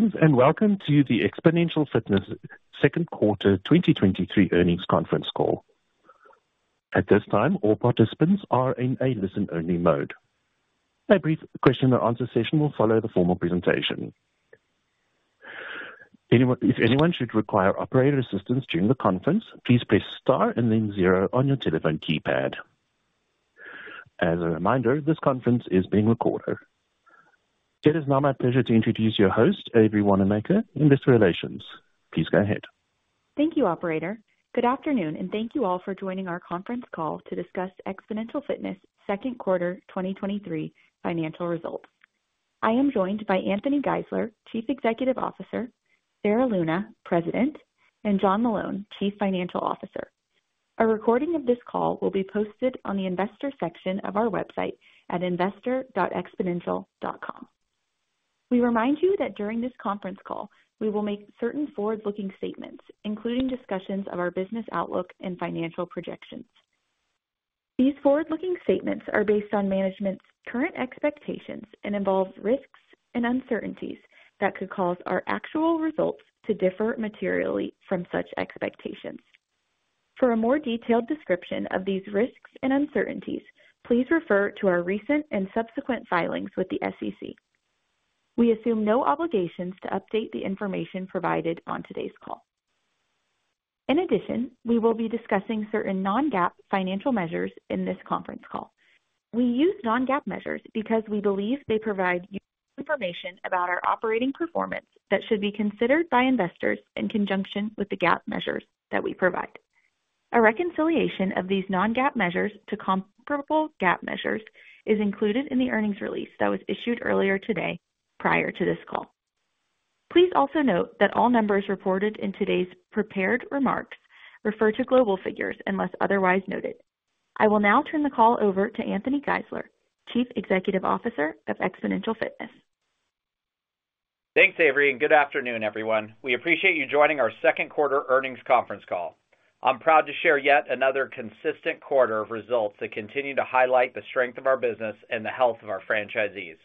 Greetings, welcome to the Xponential Fitness Q2 2023 Earnings Conference Call. At this time, all participants are in a listen-only mode. A brief question and answer session will follow the formal presentation. If anyone should require operator assistance during the conference, please press Star and then 0 on your telephone keypad. As a reminder, this conference is being recorded. It is now my pleasure to introduce your host, Avery Wannamaker, Investor Relations. Please go ahead. Thank you, operator. Good afternoon, thank you all for joining our conference call to discuss Xponential Fitness Q2 2023 financial results. I am joined by Anthony Geisler, Chief Executive Officer, Sarah Luna, President, and John Malone, Chief Financial Officer. A recording of this call will be posted on the investor section of our website at investor.xponential.com. We remind you that during this conference call, we will make certain forward-looking statements, including discussions of our business outlook and financial projections. These forward-looking statements are based on management's current expectations and involves risks and uncertainties that could cause our actual results to differ materially from such expectations. For a more detailed description of these risks and uncertainties, please refer to our recent and subsequent filings with the SEC. We assume no obligations to update the information provided on today's call. We will be discussing certain non-GAAP financial measures in this conference call. We use non-GAAP measures because we believe they provide useful information about our operating performance that should be considered by investors in conjunction with the GAAP measures that we provide. A reconciliation of these non-GAAP measures to comparable GAAP measures is included in the earnings release that was issued earlier today prior to this call. Please also note that all numbers reported in today's prepared remarks refer to global figures unless otherwise noted. I will now turn the call over to Anthony Geisler, Chief Executive Officer of Xponential Fitness. Thanks, Avery, good afternoon, everyone. We appreciate you joining our Q2 earnings conference call. I'm proud to share yet another consistent quarter of results that continue to highlight the strength of our business and the health of our franchisees.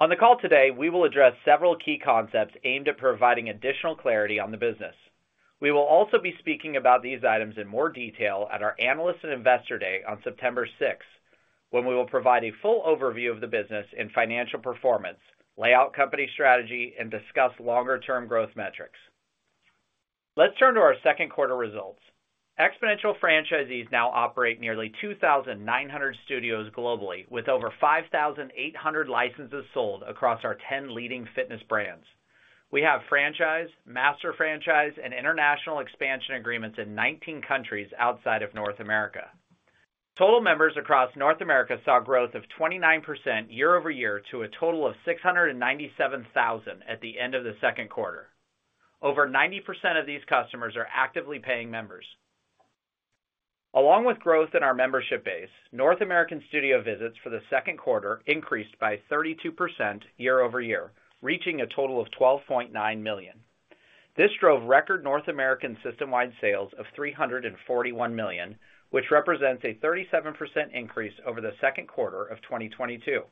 On the call today, we will address several key concepts aimed at providing additional clarity on the business. We will also be speaking about these items in more detail at our Analyst and Investor Day on September 6, when we will provide a full overview of the business and financial performance, lay out company strategy, and discuss longer-term growth metrics. Let's turn to our Q2 results. Xponential franchisees now operate nearly 2,900 studios globally, with over 5,800 licenses sold across our 10 leading fitness brands. We have franchise, master franchise, and international expansion agreements in 19 countries outside of North America. Total members across North America saw growth of 29% year-over-year, to a total of 697,000 at the end of the Q2. Over 90% of these customers are actively paying members. Along with growth in our membership base, North American studio visits for the Q2 increased by 32% year-over-year, reaching a total of 12.9 million. This drove record North American system-wide sales of $341 million, which represents a 37% increase over the Q2 of 2022.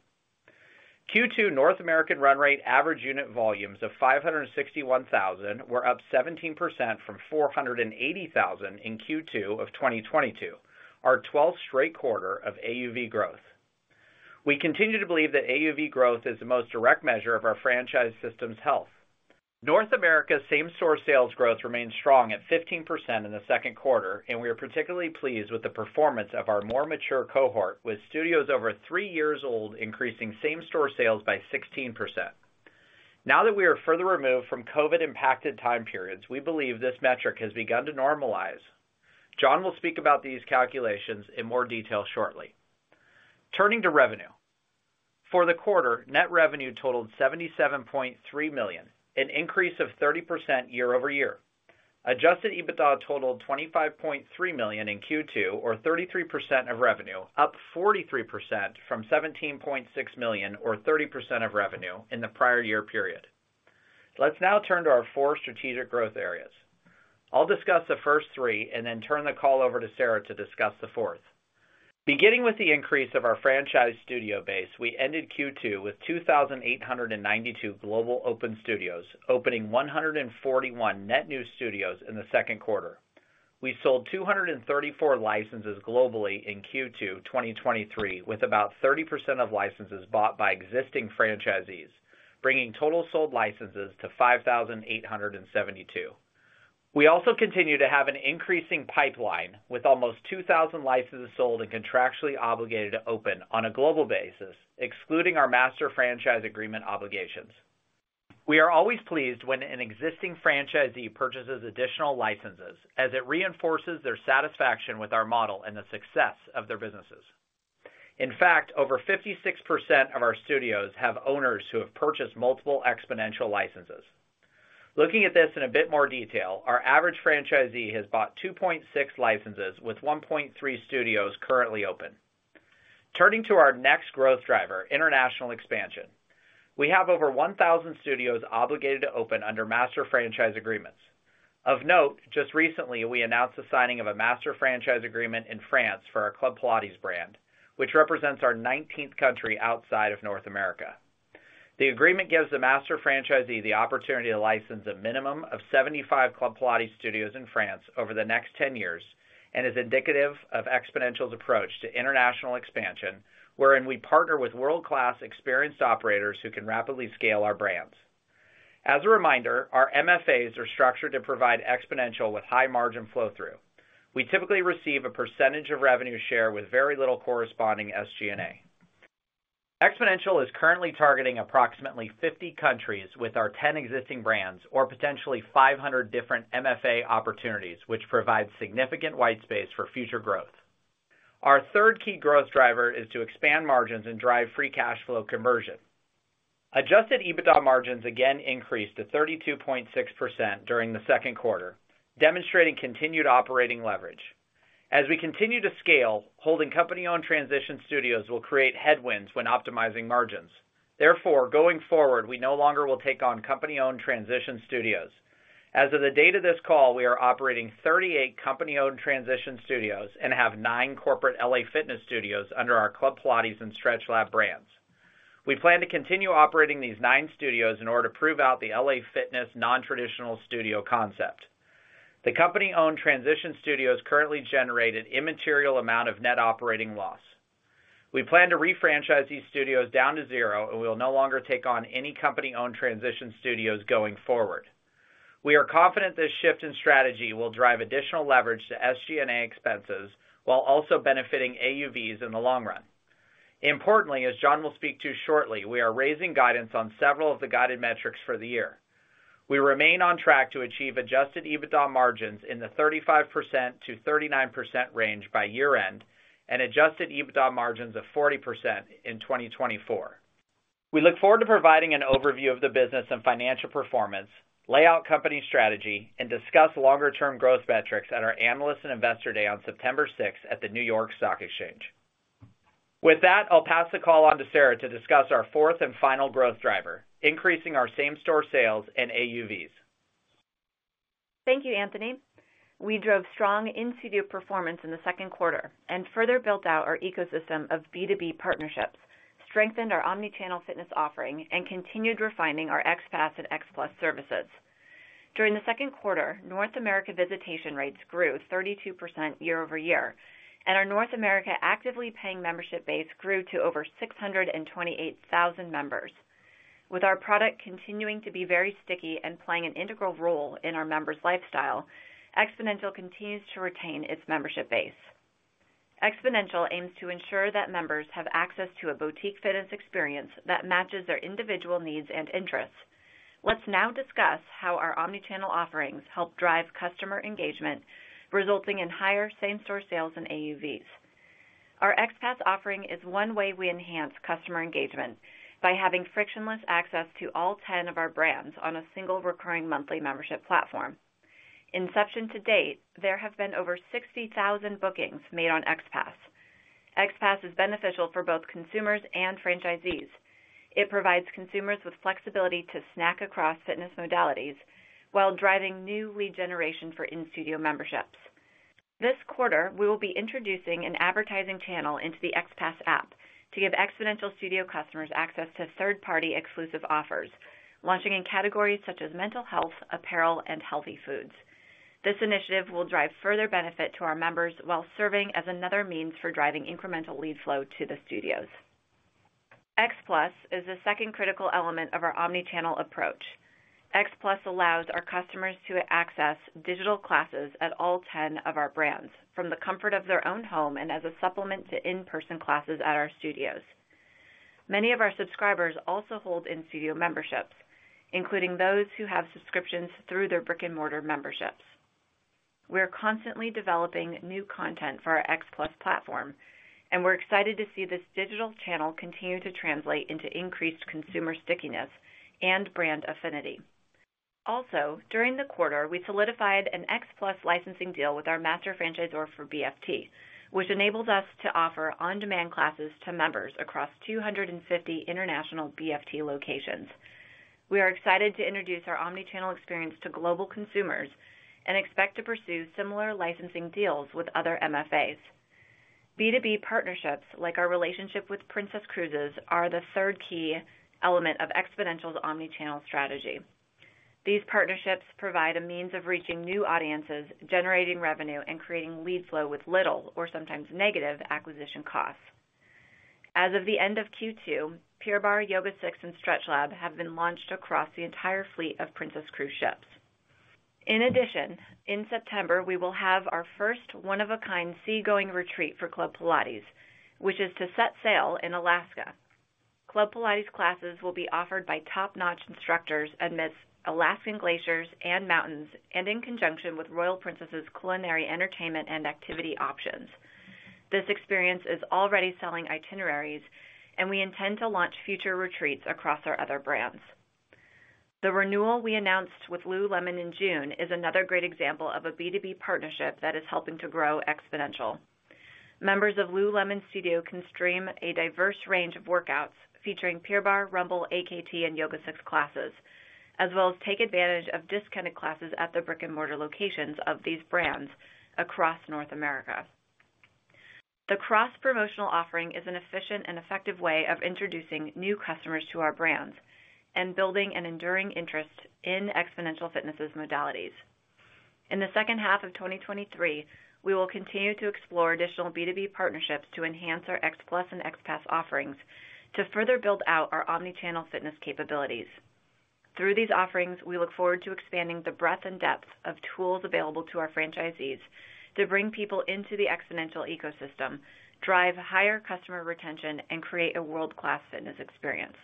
Q2 North American run rate average unit volumes of $561,000 were up 17% from $480,000 in Q2 of 2022, our twelfth straight quarter of AUV growth. We continue to believe that AUV growth is the most direct measure of our franchise system's health. North America's same-store sales growth remains strong at 15% in the Q2. We are particularly pleased with the performance of our more mature cohort, with studios over three years old, increasing same-store sales by 16%. Now that we are further removed from COVID-impacted time periods, we believe this metric has begun to normalize. John will speak about these calculations in more detail shortly. Turning to revenue. For the quarter, net revenue totaled $77.3 million, an increase of 30% year-over-year. Adjusted EBITDA totaled $25.3 million in Q2, or 33% of revenue, up 43% from $17.6 million, or 30% of revenue in the prior-year period. Let's now turn to our four strategic growth areas. I'll discuss the first three and then turn the call over to Sarah to discuss the fourth. Beginning with the increase of our franchise studio base, we ended Q2 with 2,892 global open studios, opening 141 net new studios in the Q2. We sold 234 licenses globally in Q2 2023, with about 30% of licenses bought by existing franchisees, bringing total sold licenses to 5,872. We also continue to have an increasing pipeline, with almost 2,000 licenses sold and contractually obligated to open on a global basis, excluding our Master Franchise Agreement obligations. We are always pleased when an existing franchisee purchases additional licenses as it reinforces their satisfaction with our model and the success of their businesses. In fact, over 56% of our studios have owners who have purchased multiple Xponential licenses. Looking at this in a bit more detail, our average franchisee has bought 2.6 licenses, with 1.3 studios currently open. Turning to our next growth driver, international expansion. We have over 1,000 studios obligated to open under master franchise agreements. Of note, just recently, we announced the signing of a master franchise agreement in France for our Club Pilates brand, which represents our 19th country outside of North America. The agreement gives the master franchisee the opportunity to license a minimum of 75 Club Pilates studios in France over the next 10 years, and is indicative of Xponential's approach to international expansion, wherein we partner with world-class experienced operators who can rapidly scale our brands. As a reminder, our MFAs are structured to provide Xponential with high-margin flow-through. We typically receive a % of revenue share with very little corresponding SG&A. Xponential is currently targeting approximately 50 countries with our 10 existing brands or potentially 500 different MFA opportunities, which provides significant white space for future growth. Our third key growth driver is to expand margins and drive free cash flow conversion. Adjusted EBITDA margins again increased to 32.6% during the Q2, demonstrating continued operating leverage. As we continue to scale, holding company-owned transition studios will create headwinds when optimizing margins. Therefore, going forward, we no longer will take on company-owned transition studios. As of the date of this call, we are operating 38 company-owned transition studios and have 9 corporate LA Fitness studios under our Club Pilates and StretchLab brands. We plan to continue operating these 9 studios in order to prove out the LA Fitness non-traditional studio concept. The company-owned transition studios currently generate an immaterial amount of Net Operating Loss. We plan to refranchise these studios down to zero, we will no longer take on any company-owned transition studios going forward. We are confident this shift in strategy will drive additional leverage to SG&A expenses, while also benefiting AUVs in the long run. Importantly, as John will speak to shortly, we are raising guidance on several of the guided metrics for the year. We remain on track to achieve Adjusted EBITDA margins in the 35%-39% range by year-end, and Adjusted EBITDA margins of 40% in 2024. We look forward to providing an overview of the business and financial performance, lay out company strategy, and discuss longer-term growth metrics at our Analyst and Investor Day on September 6th at the New York Stock Exchange. With that, I'll pass the call on to Sarah to discuss our fourth and final growth driver, increasing our same-store sales and AUVs. Thank you, Anthony. We drove strong in-studio performance in the Q2 and further built out our ecosystem of B2B partnerships, strengthened our omni-channel fitness offering, and continued refining our XPASS and XPLUS services. During the Q2, North America visitation rates grew 32% year-over-year, and our North America actively paying membership base grew to over 628,000 members. With our product continuing to be very sticky and playing an integral role in our members' lifestyle, Xponential continues to retain its membership base. Xponential aims to ensure that members have access to a boutique fitness experience that matches their individual needs and interests. Let's now discuss how our omni-channel offerings help drive customer engagement, resulting in higher same-store sales and AUVs. Our XPASS offering is one way we enhance customer engagement by having frictionless access to all 10 of our brands on a single recurring monthly membership platform. Inception to date, there have been over 60,000 bookings made on XPASS. XPASS is beneficial for both consumers and franchisees. It provides consumers with flexibility to snack across fitness modalities while driving new lead generation for in-studio memberships. This quarter, we will be introducing an advertising channel into the XPASS app to give Xponential studio customers access to third-party exclusive offers, launching in categories such as mental health, apparel, and healthy foods. This initiative will drive further benefit to our members while serving as another means for driving incremental lead flow to the studios. XPLUS is the second critical element of our omni-channel approach. XPLUS allows our customers to access digital classes at all 10 of our brands from the comfort of their own home and as a supplement to in-person classes at our studios. Many of our subscribers also hold in-studio memberships, including those who have subscriptions through their brick-and-mortar memberships. We are constantly developing new content for our XPLUS platform. We're excited to see this digital channel continue to translate into increased consumer stickiness and brand affinity. Also, during the quarter, we solidified an XPLUS licensing deal with our master franchisor for BFT, which enables us to offer on-demand classes to members across 250 international BFT locations. We are excited to introduce our omni-channel experience to global consumers and expect to pursue similar licensing deals with other MFAs. B2B partnerships, like our relationship with Princess Cruises, are the third key element of Xponential's omni-channel strategy. These partnerships provide a means of reaching new audiences, generating revenue, and creating lead flow with little or sometimes negative acquisition costs. As of the end of Q2, Pure Barre, YogaSix, and StretchLab have been launched across the entire fleet of Princess Cruise ships. In addition, in September, we will have our first one-of-a-kind seagoing retreat for Club Pilates, which is to set sail in Alaska. Club Pilates classes will be offered by top-notch instructors amidst Alaskan glaciers and mountains, and in conjunction with Royal Princess's culinary entertainment and activity options. This experience is already selling itineraries, and we intend to launch future retreats across our other brands. The renewal we announced with lululemon in June is another great example of a B2B partnership that is helping to grow Xponential. Members of lululemon Studio can stream a diverse range of workouts featuring Pure Barre, Rumble, AKT, and YogaSix classes, as well as take advantage of discounted classes at the brick-and-mortar locations of these brands across North America. The cross-promotional offering is an efficient and effective way of introducing new customers to our brands and building an enduring interest in Xponential Fitness's modalities. In the second half of 2023, we will continue to explore additional B2B partnerships to enhance our XPLUS and XPASS offerings to further build out our omni-channel fitness capabilities. Through these offerings, we look forward to expanding the breadth and depth of tools available to our franchisees to bring people into the Xponential ecosystem, drive higher customer retention, and create a world-class fitness experience.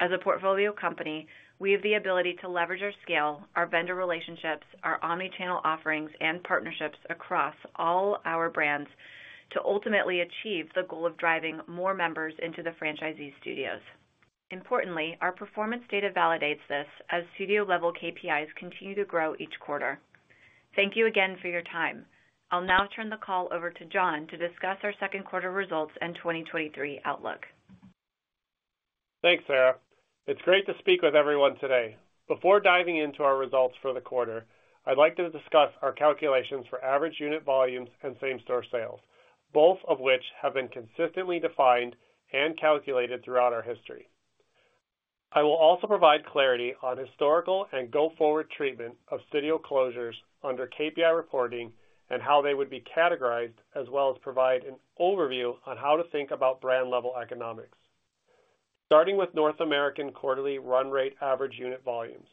As a portfolio company, we have the ability to leverage our scale, our vendor relationships, our omni-channel offerings, and partnerships across all our brands to ultimately achieve the goal of driving more members into the franchisee studios. Importantly, our performance data validates this as studio-level KPIs continue to grow each quarter. Thank you again for your time. I'll now turn the call over to John to discuss our Q2 results and 2023 outlook. Thanks, Sarah. It's great to speak with everyone today. Before diving into our results for the quarter, I'd like to discuss our calculations for average unit volumes and same-store sales, both of which have been consistently defined and calculated throughout our history. I will also provide clarity on historical and go-forward treatment of studio closures under KPI reporting and how they would be categorized, as well as provide an overview on how to think about brand-level economics. Starting with North American quarterly run rate average unit volumes.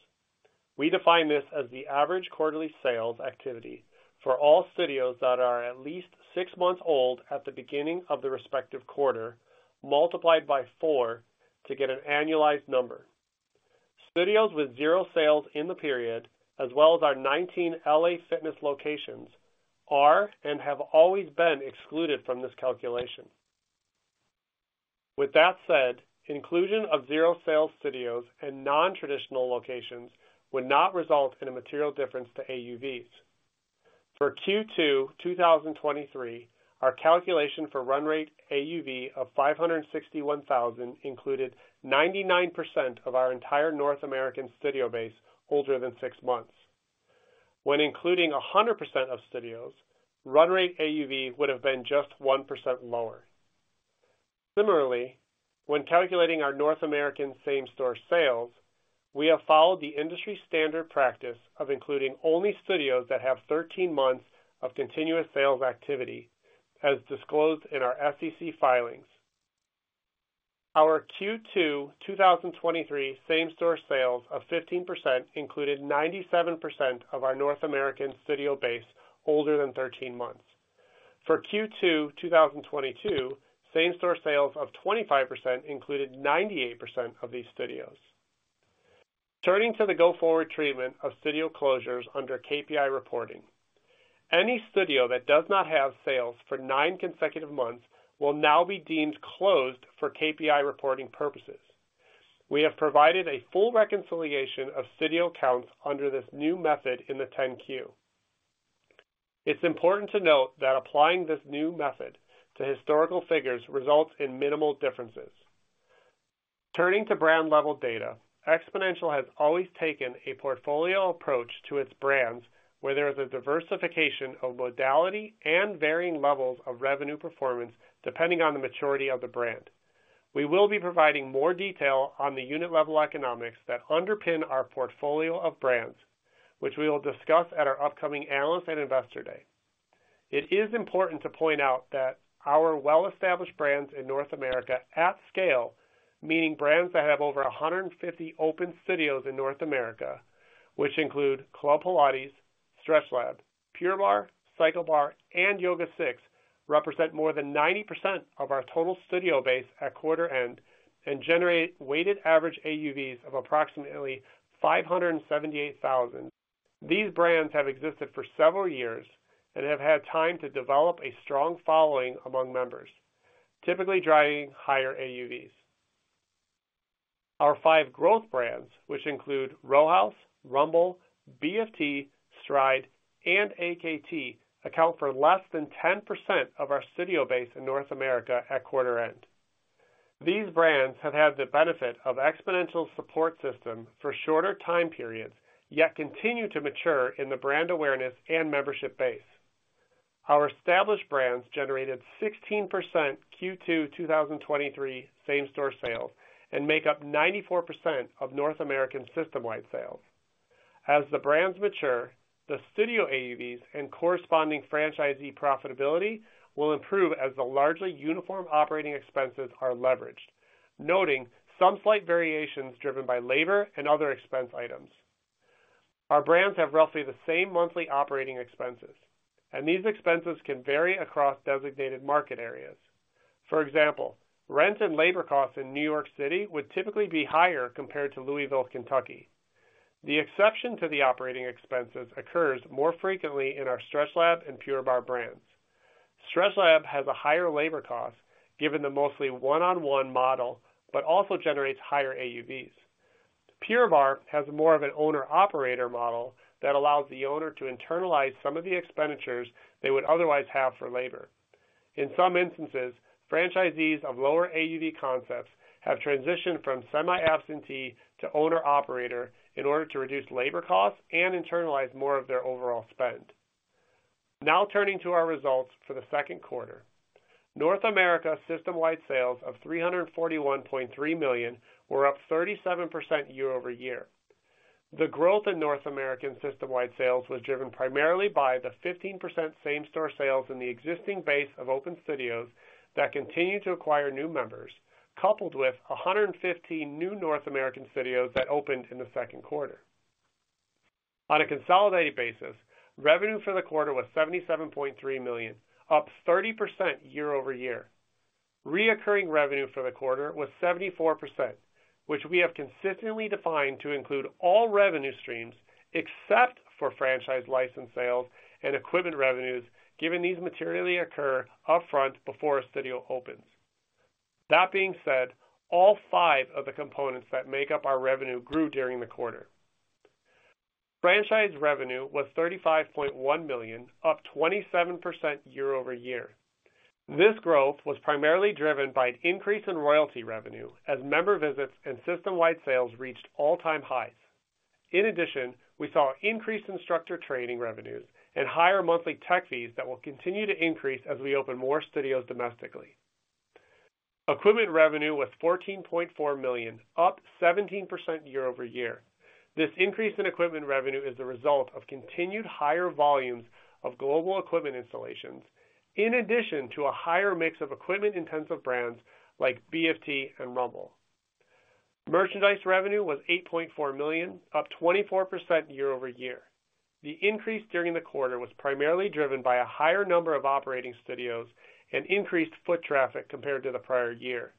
We define this as the average quarterly sales activity for all studios that are at least six months old at the beginning of the respective quarter, multiplied by four to get an annualized number. Studios with zero sales in the period, as well as our 19 LA Fitness locations, are and have always been excluded from this calculation. With that said, inclusion of zero sales studios and non-traditional locations would not result in a material difference to AUVs. For Q2 2023, our calculation for run rate AUV of $561,000 included 99% of our entire North American studio base older than 6 months. When including 100% of studios, run rate AUV would have been just 1% lower. Similarly, when calculating our North American same-store sales, we have followed the industry standard practice of including only studios that have 13 months of continuous sales activity, as disclosed in our SEC filings. Our Q2 2023 same-store sales of 15% included 97% of our North American studio base older than 13 months. For Q2 2022, same-store sales of 25% included 98% of these studios. Turning to the go-forward treatment of studio closures under KPI reporting. Any studio that does not have sales for 9 consecutive months will now be deemed closed for KPI reporting purposes. We have provided a full reconciliation of studio counts under this new method in the 10-Q. It's important to note that applying this new method to historical figures results in minimal differences. Turning to brand level data, Xponential has always taken a portfolio approach to its brands, where there is a diversification of modality and varying levels of revenue performance, depending on the maturity of the brand. We will be providing more detail on the unit-level economics that underpin our portfolio of brands, which we will discuss at our upcoming Analyst and Investor Day. It is important to point out that our well-established brands in North America at scale, meaning brands that have over 150 open studios in North America, which include Club Pilates, StretchLab, Pure Barre, CycleBar, and YogaSix, represent more than 90% of our total studio base at quarter end and generate weighted average AUVs of approximately $578,000. These brands have existed for several years and have had time to develop a strong following among members, typically driving higher AUVs. Our five growth brands, which include Row House, Rumble, BFT, Stride, and AKT, account for less than 10% of our studio base in North America at quarter end. These brands have had the benefit of Xponential's support system for shorter time periods, yet continue to mature in the brand awareness and membership base. Our established brands generated 16% Q2 2023 same-store sales and make up 94% of North American system-wide sales. As the brands mature, the studio AUVs and corresponding franchisee profitability will improve as the largely uniform operating expenses are leveraged, noting some slight variations driven by labor and other expense items. Our brands have roughly the same monthly operating expenses, these expenses can vary across designated market areas. For example, rent and labor costs in New York City would typically be higher compared to Louisville, Kentucky. The exception to the operating expenses occurs more frequently in our StretchLab and Pure Barre brands. StretchLab has a higher labor cost, given the mostly one-on-one model, but also generates higher AUVs. Pure Barre has more of an owner-operator model that allows the owner to internalize some of the expenditures they would otherwise have for labor. In some instances, franchisees of lower AUV concepts have transitioned from semi-absentee to owner-operator in order to reduce labor costs and internalize more of their overall spend. Turning to our results for the Q2. North America system-wide sales of $341.3 million were up 37% year-over-year. The growth in North American system-wide sales was driven primarily by the 15% same-store sales in the existing base of open studios that continued to acquire new members, coupled with 115 new North American studios that opened in the Q2. On a consolidated basis, revenue for the quarter was $77.3 million, up 30% year-over-year. Recurring revenue for the quarter was 74%, which we have consistently defined to include all revenue streams, except for franchise license sales and equipment revenues, given these materially occur upfront before a studio opens. That being said, all 5 of the components that make up our revenue grew during the quarter. Franchise revenue was $35.1 million, up 27% year-over-year. This growth was primarily driven by an increase in royalty revenue, as member visits and system-wide sales reached all-time highs. In addition, we saw increased instructor training revenues and higher monthly tech fees that will continue to increase as we open more studios domestically. Equipment revenue was $14.4 million, up 17% year-over-year. This increase in equipment revenue is a result of continued higher volumes of global equipment installations, in addition to a higher mix of equipment-intensive brands like BFT and Rumble. Merchandise revenue was $8.4 million, up 24% year-over-year. The increase during the quarter was primarily driven by a higher number of operating studios and increased foot traffic compared to the prior year.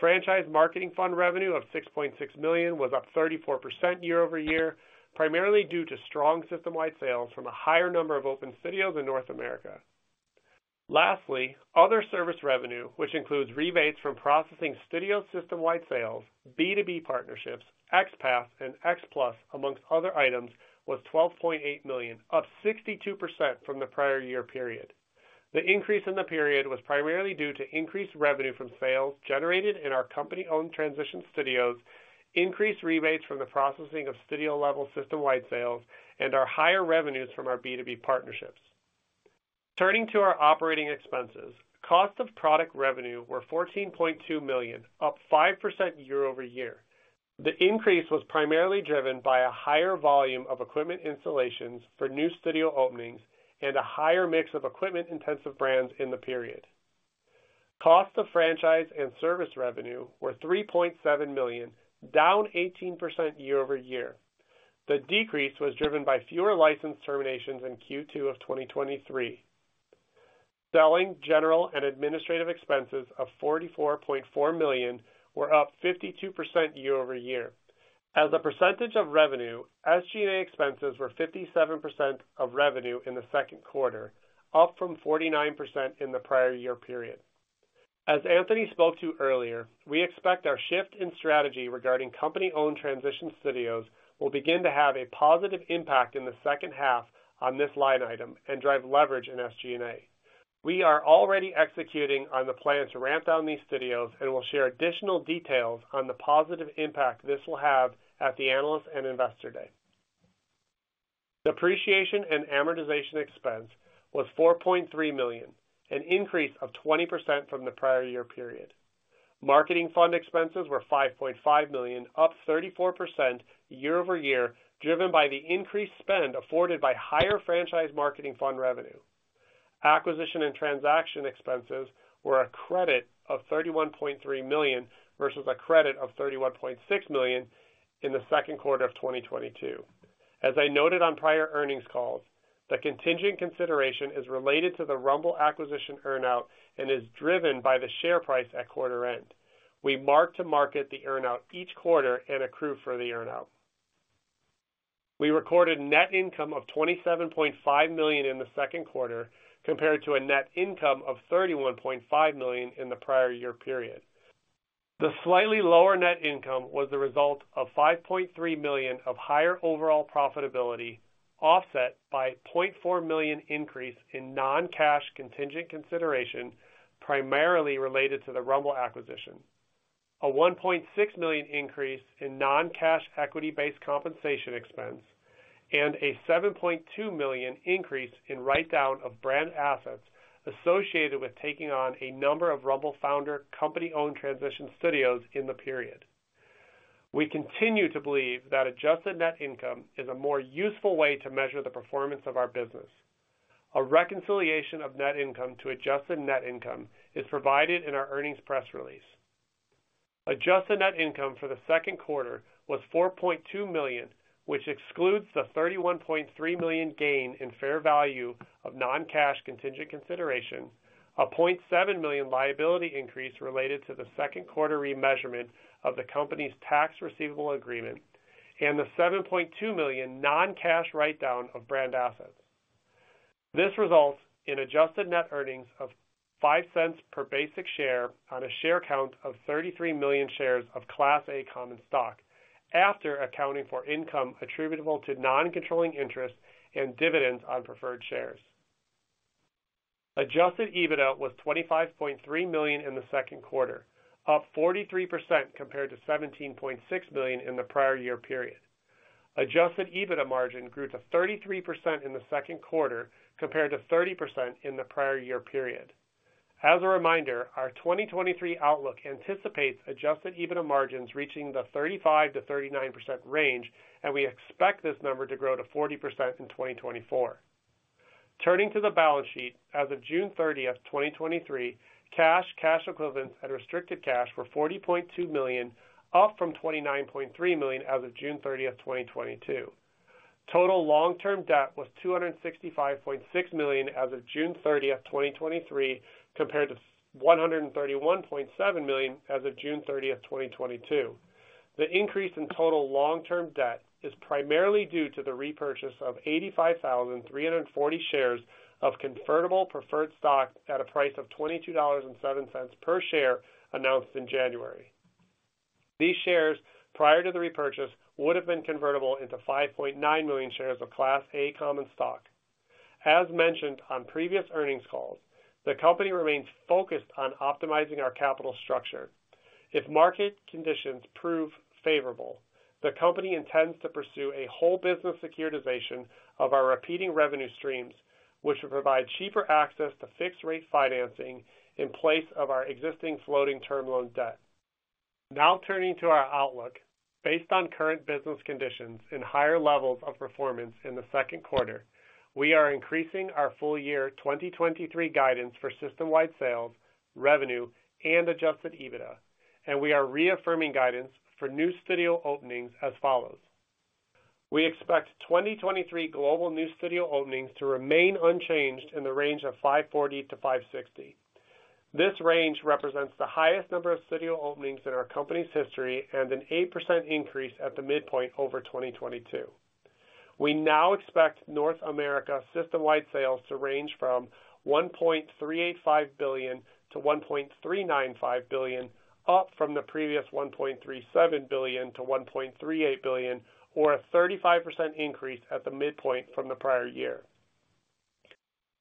Franchise marketing fund revenue of $6.6 million was up 34% year-over-year, primarily due to strong system-wide sales from a higher number of open studios in North America. Lastly, other service revenue, which includes rebates from processing studio system-wide sales, B2B partnerships, XPASS, and XPLUS, amongst other items, was $12.8 million, up 62% from the prior year period. The increase in the period was primarily due to increased revenue from sales generated in our company-owned transition studios, increased rebates from the processing of studio-level system-wide sales, and our higher revenues from our B2B partnerships. Turning to our operating expenses, cost of product revenue were $14.2 million, up 5% year-over-year. The increase was primarily driven by a higher volume of equipment installations for new studio openings and a higher mix of equipment-intensive brands in the period. Cost of franchise and service revenue were $3.7 million, down 18% year-over-year. The decrease was driven by fewer license terminations in Q2 of 2023. Selling, general, and administrative expenses of $44.4 million were up 52% year-over-year. As a percentage of revenue, SG&A expenses were 57% of revenue in the Q2, up from 49% in the prior year period. As Anthony spoke to earlier, we expect our shift in strategy regarding company-owned transition studios will begin to have a positive impact in the second half on this line item and drive leverage in SG&A. We are already executing on the plan to ramp down these studios, and we'll share additional details on the positive impact this will have at the Analyst and Investor Day. Depreciation and amortization expense was $4.3 million, an increase of 20% from the prior year period. Marketing fund expenses were $5.5 million, up 34% year-over-year, driven by the increased spend afforded by higher franchise marketing fund revenue. Acquisition and transaction expenses were a credit of $31.3 million, versus a credit of $31.6 million in the Q2 of 2022. As I noted on prior earnings calls, the contingent consideration is related to the Rumble acquisition earn-out and is driven by the share price at quarter end. We mark to market the earn-out each quarter and accrue for the earn-out. We recorded net income of $27.5 million in the Q2, compared to a net income of $31.5 million in the prior year period. The slightly lower net income was the result of $5.3 million of higher overall profitability, offset by $0.4 million increase in non-cash contingent consideration, primarily related to the Rumble acquisition. A $1.6 million increase in non-cash equity-based compensation expense, and a $7.2 million increase in write-down of brand assets associated with taking on a number of Rumble founder company-owned transition studios in the period. We continue to believe that Adjusted net income is a more useful way to measure the performance of our business. A reconciliation of net income to Adjusted net income is provided in our earnings press release. Adjusted net income for the Q2 was $4.2 million, which excludes the $31.3 million gain in fair value of non-cash contingent consideration, a $0.7 million liability increase related to the Q2 remeasurement of the company's tax receivable agreement, and the $7.2 million non-cash write-down of brand assets. This results in adjusted net earnings of $0.05 per basic share on a share count of $33 million shares of Class A common stock, after accounting for income attributable to non-controlling interests and dividends on preferred shares. Adjusted EBITDA was $25.3 million in the Q2, up 43% compared to $17.6 million in the prior year period. Adjusted EBITDA margin grew to 33% in the Q2, compared to 30% in the prior year period. As a reminder, our 2023 outlook anticipates Adjusted EBITDA margins reaching the 35%-39% range, and we expect this number to grow to 40% in 2024. Turning to the balance sheet. As of June 30th, 2023, cash, cash equivalents, and restricted cash were $40.2 million, up from $29.3 million as of June 30th, 2022. Total long-term debt was $265.6 million as of June 30, 2023, compared to $131.7 million as of June 30, 2022. The increase in total long-term debt is primarily due to the repurchase of 85,340 shares of convertible preferred stock at a price of $22.07 per share, announced in January. These shares, prior to the repurchase, would have been convertible into 5.9 million shares of Class A common stock. As mentioned on previous earnings calls, the company remains focused on optimizing our capital structure. If market conditions prove favorable, the company intends to pursue a whole business securitization of our repeating revenue streams, which will provide cheaper access to fixed rate financing in place of our existing floating term loan debt. Turning to our outlook. Based on current business conditions and higher levels of performance in the Q2, we are increasing our full year 2023 guidance for system-wide sales, revenue, and Adjusted EBITDA. We are reaffirming guidance for new studio openings as follows: We expect 2023 global new studio openings to remain unchanged in the range of 540-560. This range represents the highest number of studio openings in our company's history, and an 8% increase at the midpoint over 2022. We now expect North America system-wide sales to range from $1.385 billion-$1.395 billion, up from the previous $1.37 billion-$1.38 billion, or a 35% increase at the midpoint from the prior year.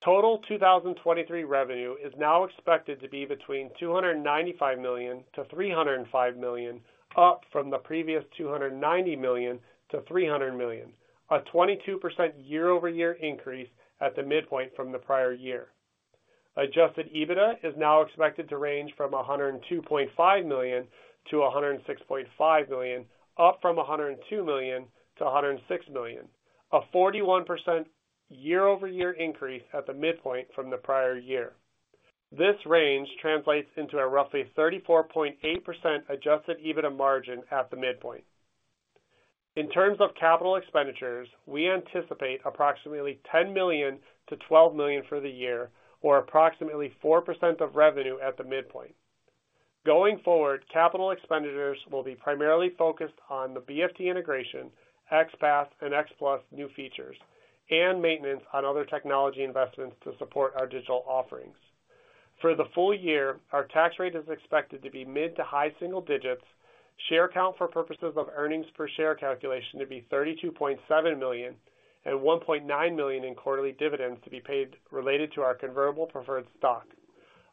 Total 2023 revenue is now expected to be between $295 million-$305 million, up from the previous $290 million-$300 million, a 22% year-over-year increase at the midpoint from the prior year. Adjusted EBITDA is now expected to range from $102.5 million-$106.5 million, up from $102 million-$106 million, a 41% year-over-year increase at the midpoint from the prior year. This range translates into a roughly 34.8% Adjusted EBITDA margin at the midpoint. In terms of capital expenditures, we anticipate approximately $10 million-$12 million for the year, or approximately 4% of revenue at the midpoint. Going forward, capital expenditures will be primarily focused on the BFT integration, XPASS and XPLUS new features, and maintenance on other technology investments to support our digital offerings. For the full year, our tax rate is expected to be mid to high single digits, share count for purposes of EPS calculation to be $32.7 million, and $1.9 million in quarterly dividends to be paid related to our convertible preferred stock.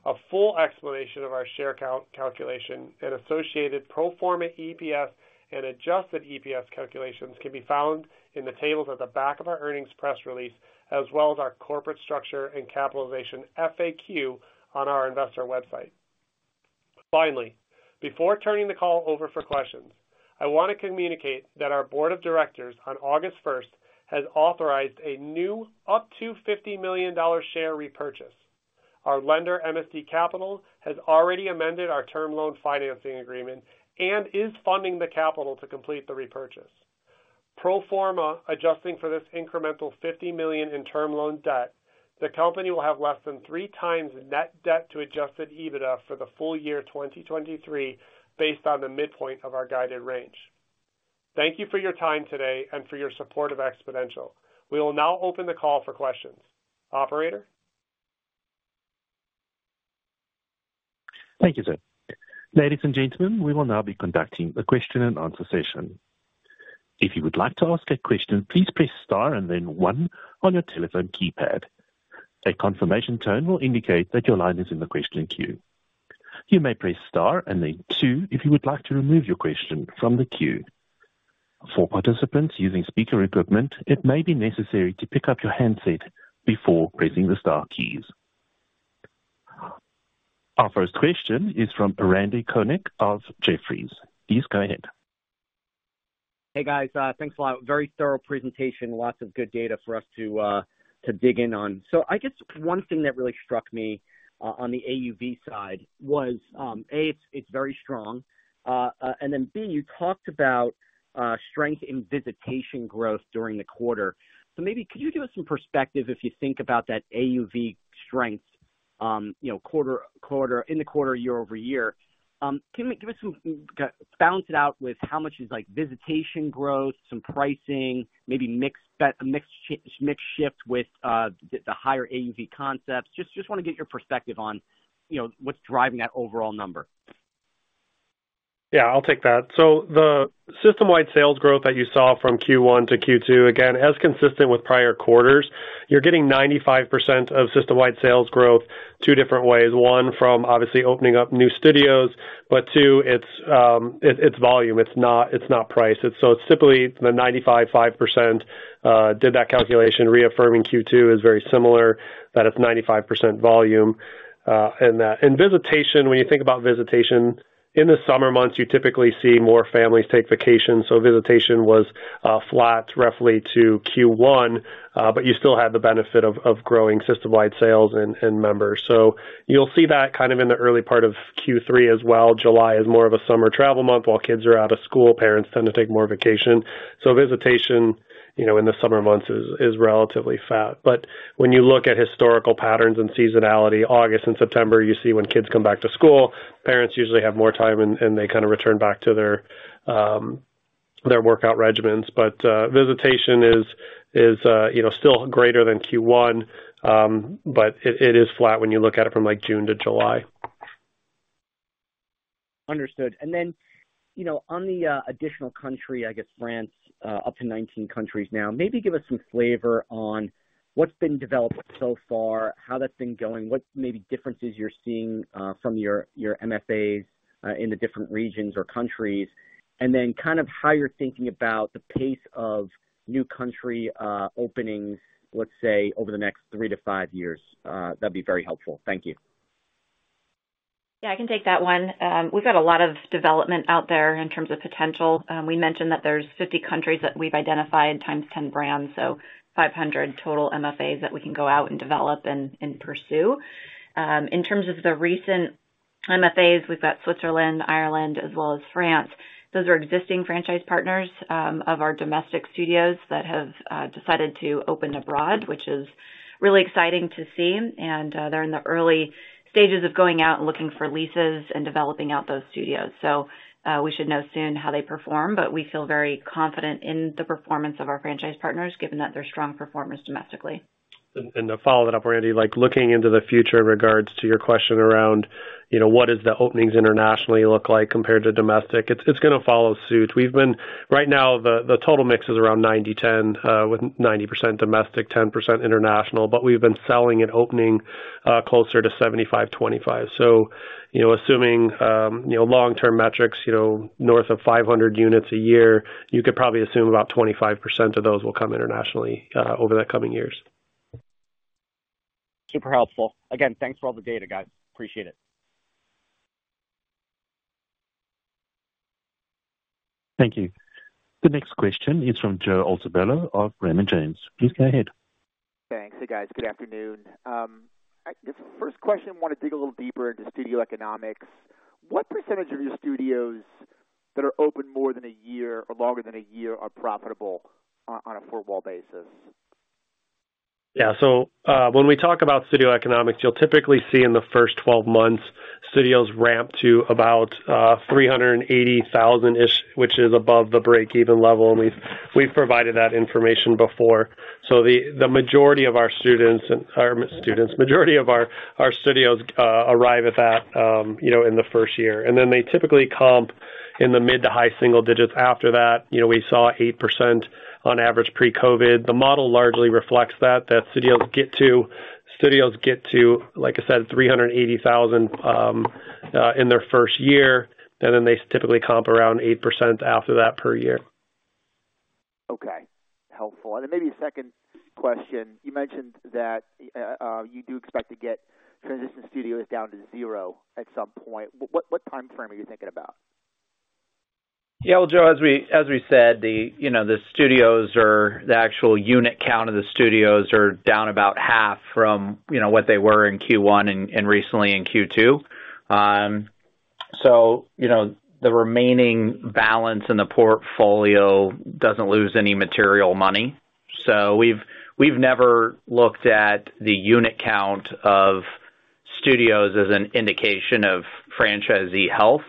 A full explanation of our share count calculation and associated pro forma EPS and Adjusted EPS calculations can be found in the tables at the back of our earnings press release, as well as our corporate structure and capitalization FAQ on our investor website. Finally, before turning the call over for questions, I want to communicate that our board of directors on August first, has authorized a new up to $50 million share repurchase. Our lender, MSD Capital, has already amended our term loan financing agreement and is funding the capital to complete the repurchase. Pro forma, adjusting for this incremental $50 million in term loan debt, the company will have less than 3 times net debt to Adjusted EBITDA for the full year 2023, based on the midpoint of our guided range. Thank you for your time today and for your support of Xponential. We will now open the call for questions. Operator? Thank you, sir. Ladies and gentlemen, we will now be conducting a question and answer session. If you would like to ask a question, please press star and then one on your telephone keypad. A confirmation tone will indicate that your line is in the questioning queue. You may press star and then two if you would like to remove your question from the queue. For participants using speaker equipment, it may be necessary to pick up your handset before pressing the star keys. Our first question is from Randal Konik of Jefferies. Please go ahead. Hey, guys, thanks a lot. Very thorough presentation. Lots of good data for us to dig in on. I guess one thing that really struck me on the AUV side was, A, it's, it's very strong. And then B, you talked about strength in visitation growth during the quarter. Maybe could you give us some perspective if you think about that AUV strength? You know, quarter, quarter, in the quarter, year-over-year. Can you give us balance it out with how much is like visitation growth, some pricing, maybe mix, mix, mix shift with the, the higher AUV concepts? Just, just want to get your perspective on, you know, what's driving that overall number. Yeah, I'll take that. The system-wide sales growth that you saw from Q1 to Q2, again, as consistent with prior quarters, you're getting 95% of system-wide sales growth 2 different ways. 1, from obviously opening up new studios, but 2, it's volume, it's not, it's not price. It's typically the 95, 5% did that calculation, reaffirming Q2 is very similar, that it's 95% volume, and that. Visitation, when you think about visitation, in the summer months, you typically see more families take vacations, so visitation was flat roughly to Q1, but you still have the benefit of growing system-wide sales and members. You'll see that kind of in the early part of Q3 as well. July is more of a summer travel month. While kids are out of school, parents tend to take more vacation, so visitation, you know, in the summer months is, is relatively flat. When you look at historical patterns and seasonality, August and September, you see when kids come back to school, parents usually have more time and, and they kind of return back to their, their workout regimens. Visitation is, is, you know, still greater than Q1, but it, it is flat when you look at it from, like, June to July. Understood. Then, you know, on the additional country, I guess France, up to 19 countries now. Maybe give us some flavor on what's been developed so far, how that's been going, what maybe differences you're seeing from your, your MFAs in the different regions or countries, and then kind of how you're thinking about the pace of new country openings, let's say, over the next 3-5 years? That'd be very helpful. Thank you. Yeah, I can take that one. We've got a lot of development out there in terms of potential. We mentioned that there's 50 countries that we've identified times 10 brands, so 500 total MFAs that we can go out and develop and, and pursue. In terms of the recent MFAs, we've got Switzerland, Ireland, as well as France. Those are existing franchise partners of our domestic studios that have decided to open abroad, which is really exciting to see. They're in the early stages of going out and looking for leases and developing out those studios. We should know soon how they perform, but we feel very confident in the performance of our franchise partners, given that they're strong performers domestically. To follow that up, Randy, like, looking into the future in regards to your question around, you know, what is the openings internationally look like compared to domestic? It's, it's gonna follow suit. Right now, the, the total mix is around 90-10, with 90% domestic, 10% international, but we've been selling and opening closer to 75/25. You know, assuming, you know, long-term metrics, you know, north of 500 units a year, you could probably assume about 25% of those will come internationally over the coming years. Super helpful. Again, thanks for all the data, guys. Appreciate it. Thank you. The next question is from Joe Altobello of Raymond James. Please go ahead. Thanks. Hey, guys, good afternoon. This first question, I want to dig a little deeper into studio economics. What percentage of your studios that are open more than a year or longer than a year, are profitable on a four-wall basis? Yeah, when we talk about studio economics, you'll typically see in the first 12 months, studios ramp to about $380,000-ish, which is above the break-even level, and we've provided that information before. The majority of our studios arrive at that, you know, in the first year, and then they typically comp in the mid-to-high single digits after that. You know, we saw 8% on average pre-COVID. The model largely reflects that, that studios get to, studios get to, like I said, $380,000 in their first year, and then they typically comp around 8% after that per year. Okay. Helpful. Maybe a second question: You mentioned that, you do expect to get transition studios down to 0 at some point. What, what timeframe are you thinking about? Yeah, well, Joe, as we, as we said, the, you know, the studios or the actual unit count of the studios are down about half from, you know, what they were in Q1 and recently in Q2. You know, the remaining balance in the portfolio doesn't lose any material money. We've, we've never looked at the unit count of studios as an indication of franchisee health.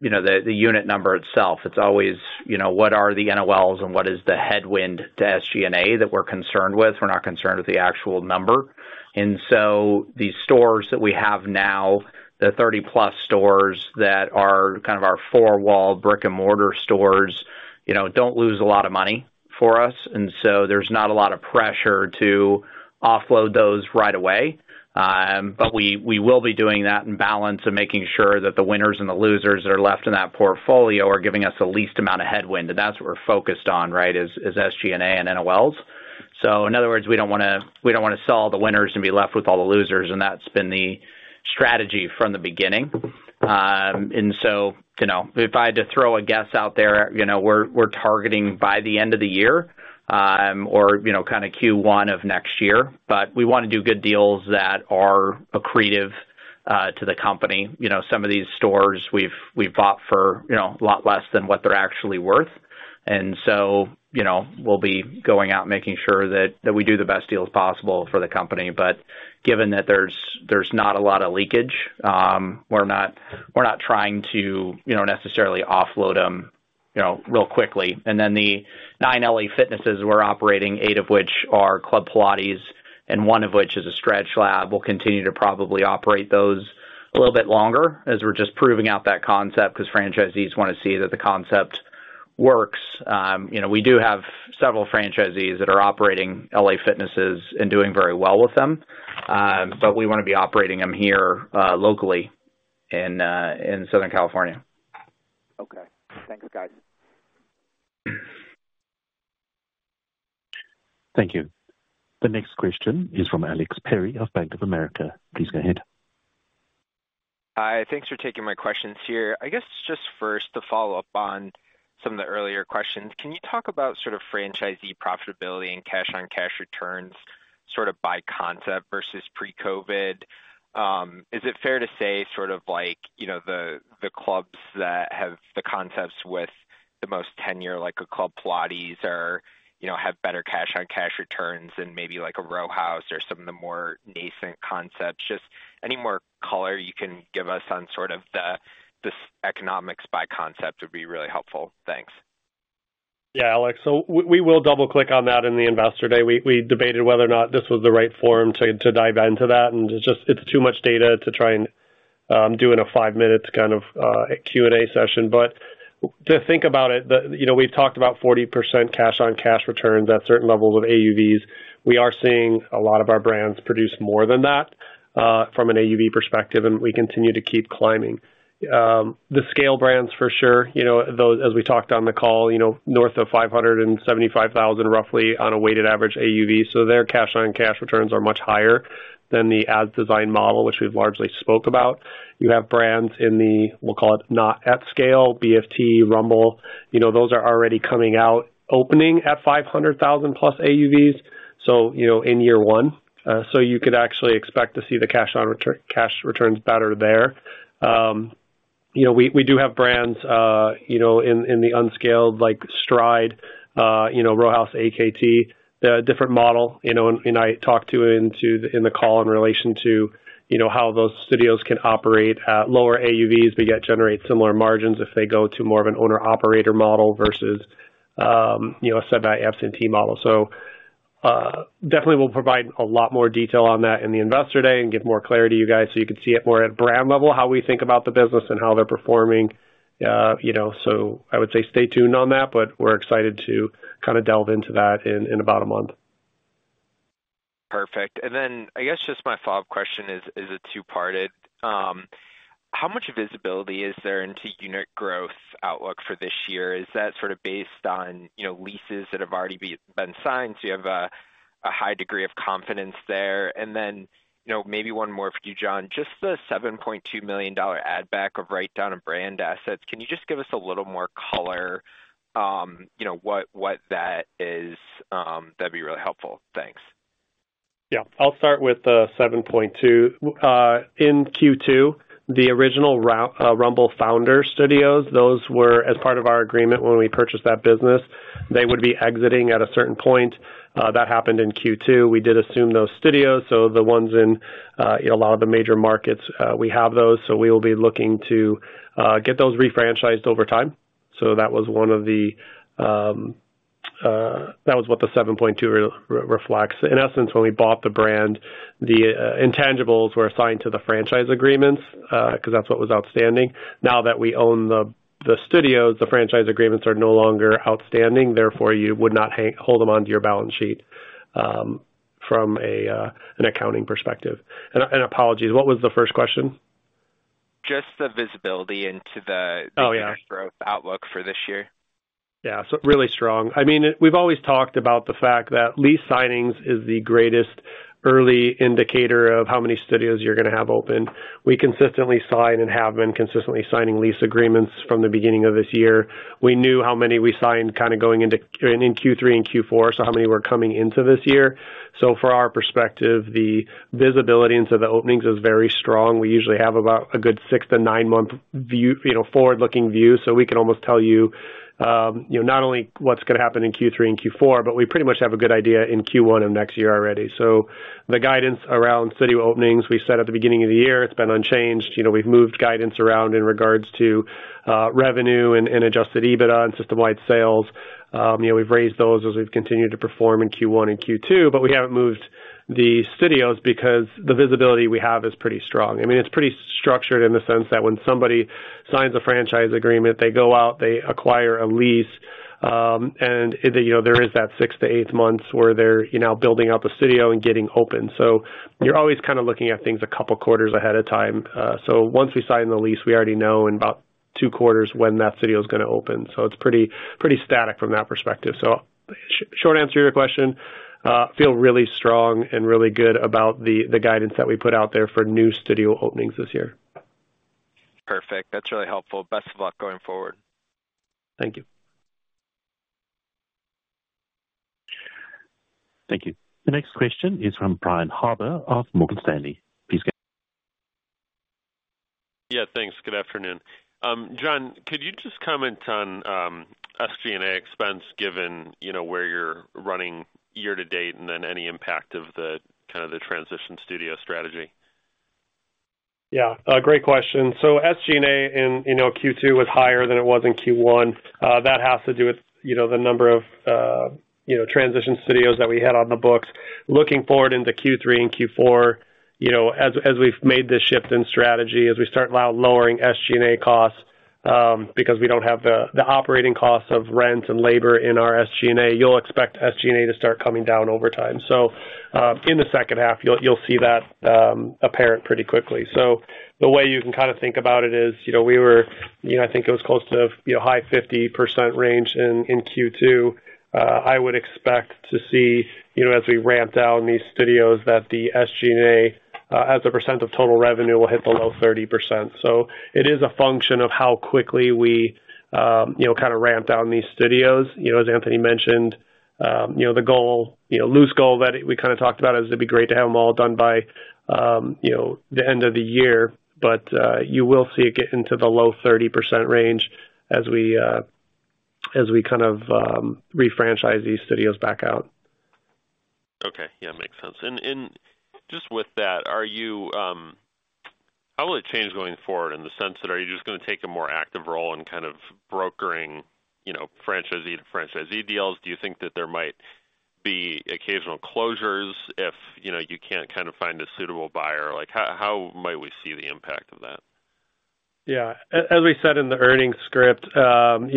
You know, the, the unit number itself, it's always, you know, what are the NOLs, and what is the headwind to SG&A that we're concerned with? We're not concerned with the actual number. These stores that we have now, the 30-plus stores that are kind of our four-wall, brick-and-mortar stores, you know, don't lose a lot of money for us, and so there's not a lot of pressure to offload those right away. We, we will be doing that in balance and making sure that the winners and the losers that are left in that portfolio are giving us the least amount of headwind, and that's what we're focused on, right? Is, is SG&A and NOLs. In other words, we don't wanna, we don't wanna sell all the winners and be left with all the losers, and that's been the strategy from the beginning. You know, if I had to throw a guess out there, you know, we're, we're targeting by the end of the year, or, you know, kind of Q1 of next year. We want to do good deals that are accretive to the company. You know, some of these stores, we've, we've bought for, you know, a lot less than what they're actually worth. You know, we'll be going out and making sure that we do the best deals possible for the company. Given that there's not a lot of leakage, we're not, we're not trying to, you know, necessarily offload them, you know, real quickly. The nine LA Fitnesses, we're operating, eight of which are Club Pilates, and one of which is a StretchLab. We'll continue to probably operate those a little bit longer as we're just proving out that concept, because franchisees want to see that the concept works. You know, we do have several franchisees that are operating LA Fitnesses and doing very well with them. But we want to be operating them here, locally in Southern California. Okay. Thanks, guys. Thank you. The next question is from Alex Perry of Bank of America. Please go ahead. Hi, thanks for taking my questions here. I guess just first, to follow up on some of the earlier questions, can you talk about sort of franchisee profitability and cash-on-cash returns, sort of by concept versus pre-COVID? Is it fair to say sort of like, you know, the, the clubs that have the concepts with the most tenure, like a Club Pilates or, you know, have better cash-on-cash returns than maybe like a Row House or some of the more nascent concepts? Just any more color you can give us on sort of the, this economics by concept would be really helpful. Thanks. Alex, we will double-click on that in the Investor Day. We debated whether or not this was the right forum to dive into that, and it's just, it's too much data to try and do in a 5-minute kind of Q&A session. To think about it, you know, we've talked about 40% cash-on-cash returns at certain levels of AUVs. We are seeing a lot of our brands produce more than that from an AUV perspective, and we continue to keep climbing. The scale brands, for sure, you know, those, as we talked on the call, you know, north of $575,000, roughly on a weighted average AUV, so their cash-on-cash returns are much higher than the ad design model, which we've largely spoke about. You have brands in the, we'll call it, not at scale, BFT, Rumble, you know, those are already coming out, opening at $500,000+ AUVs, so, you know, in year one. So you could actually expect to see the cash returns better there. You know, we, we do have brands, you know, in, in the unscaled, like Stride, you know, Row House, AKT. They're a different model, you know, and I talked in the call in relation to, you know, how those studios can operate at lower AUVs, but yet generate similar margins if they go to more of an owner-operator model versus, you know, a semi-absentee model. Definitely we'll provide a lot more detail on that in the Investor Day and give more clarity to you guys, so you can see it more at brand level, how we think about the business and how they're performing. You know, I would say stay tuned on that, but we're excited to kind of delve into that in about a month. Perfect. I guess, just my follow-up question is, is a two-parted. How much visibility is there into unit growth outlook for this year? Is that sort of based on, you know, leases that have already been signed, so you have a, a high degree of confidence there? You know, maybe one more for you, John. Just the $7.2 million add back of write-down of brand assets. Can you just give us a little more color, you know, what, what that is? That'd be really helpful. Thanks. Yeah. I'll start with the 7.2. In Q2, the original Rumble founder studios, those were as part of our agreement when we purchased that business. They would be exiting at a certain point. That happened in Q2. We did assume those studios, so the ones in a lot of the major markets, we have those, so we will be looking to get those refranchised over time. That was one of the, that was what the 7.2 reflects. In essence, when we bought the brand, the intangibles were assigned to the franchise agreements, because that's what was outstanding. Now that we own the studios, the franchise agreements are no longer outstanding. Therefore, you would not hold them onto your balance sheet from an accounting perspective. And apologies, what was the first question? Just the visibility into the- Oh, yeah. unit growth outlook for this year. Yeah, so really strong. I mean, we've always talked about the fact that lease signings is the greatest early indicator of how many studios you're going to have open. We consistently sign and have been consistently signing lease agreements from the beginning of this year. We knew how many we signed, kind of going into in Q3 and Q4, so how many were coming into this year. From our perspective, the visibility into the openings is very strong. We usually have about a good 6-9 month view, you know, forward-looking view. We can almost tell you, you know, not only what's going to happen in Q3 and Q4, but we pretty much have a good idea in Q1 of next year already. The guidance around studio openings, we set at the beginning of the year, it's been unchanged. You know, we've moved guidance around in regards to revenue and Adjusted EBITDA and system-wide sales. You know, we've raised those as we've continued to perform in Q1 and Q2, but we haven't moved the studios because the visibility we have is pretty strong. I mean, it's pretty structured in the sense that when somebody signs a franchise agreement, they go out, they acquire a lease, and, you know, there is that 6-8 months where they're, you know, building out the studio and getting open. You're always kind of looking at things a couple quarters ahead of time. Once we sign the lease, we already know in about two quarters when that studio is gonna open. It's pretty, pretty static from that perspective. Short answer to your question, feel really strong and really good about the, the guidance that we put out there for new studio openings this year. Perfect. That's really helpful. Best of luck going forward. Thank you. Thank you. The next question is from Brian Harbour of Morgan Stanley. Please. Yeah, thanks. Good afternoon. John, could you just comment on SG&A expense, given, you know, where you're running year to date, and then any impact of the, kind of, the transition studio strategy? Yeah, a great question. SG&A in, you know, Q2 was higher than it was in Q1. That has to do with, you know, the number of, you know, transition studios that we had on the books. Looking forward into Q3 and Q4, you know, as, as we've made this shift in strategy, as we start lowering SG&A costs, because we don't have the, the operating costs of rent and labor in our SG&A, you'll expect SG&A to start coming down over time. In the second half, you'll, you'll see that, apparent pretty quickly. The way you can kind of think about it is, you know, we were-- you know, I think it was close to, you know, high 50% range in, in Q2. I would expect to see, you know, as we ramp down these studios, that the SG&A as a percent of total revenue, will hit below 30%. It is a function of how quickly we, you know, kind of ramp down these studios. You know, as Anthony mentioned, you know, the goal-- you know, loose goal that we kind of talked about is it'd be great to have them all done by, you know, the end of the year. You will see it get into the low 30% range as we, as we kind of refranchise these studios back out. Okay. Yeah, makes sense. Just with that, How will it change going forward in the sense that, are you just gonna take a more active role in kind of brokering, you know, franchisee to franchisee deals? Do you think that there might be occasional closures if, you know, you can't kind of find a suitable buyer? Like, how, how might we see the impact of that? Yeah. As we said in the earnings script, you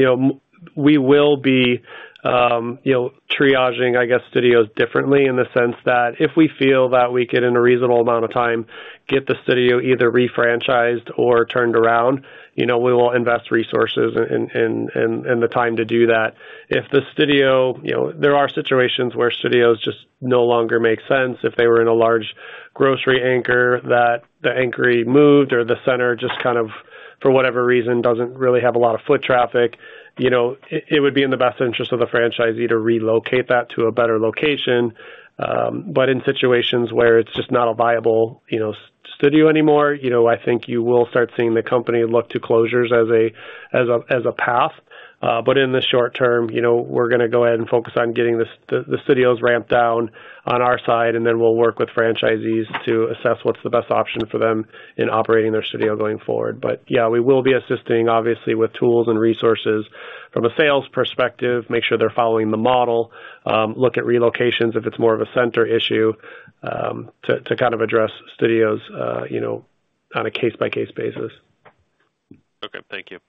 know, we will be, you know, triaging, I guess, studios differently in the sense that if we feel that we can, in a reasonable amount of time, get the studio either refranchised or turned around, you know, we will invest resources and, and, and, and the time to do that. If the studio. You know, there are situations where studios just no longer make sense. If they were in a large grocery anchor, that the anchory moved or the center just kind of, for whatever reason, doesn't really have a lot of foot traffic, you know, it, it would be in the best interest of the franchisee to relocate that to a better location. In situations where it's just not a viable, you know, studio anymore, you know, I think you will start seeing the company look to closures as a, as a, as a path. In the short term, you know, we're gonna go ahead and focus on getting the, the studios ramped down on our side, and then we'll work with franchisees to assess what's the best option for them in operating their studio going forward. Yeah, we will be assisting, obviously, with tools and resources from a sales perspective, make sure they're following the model, look at relocations if it's more of a center issue, to, to kind of address studios, you know, on a case-by-case basis. Okay, thank you.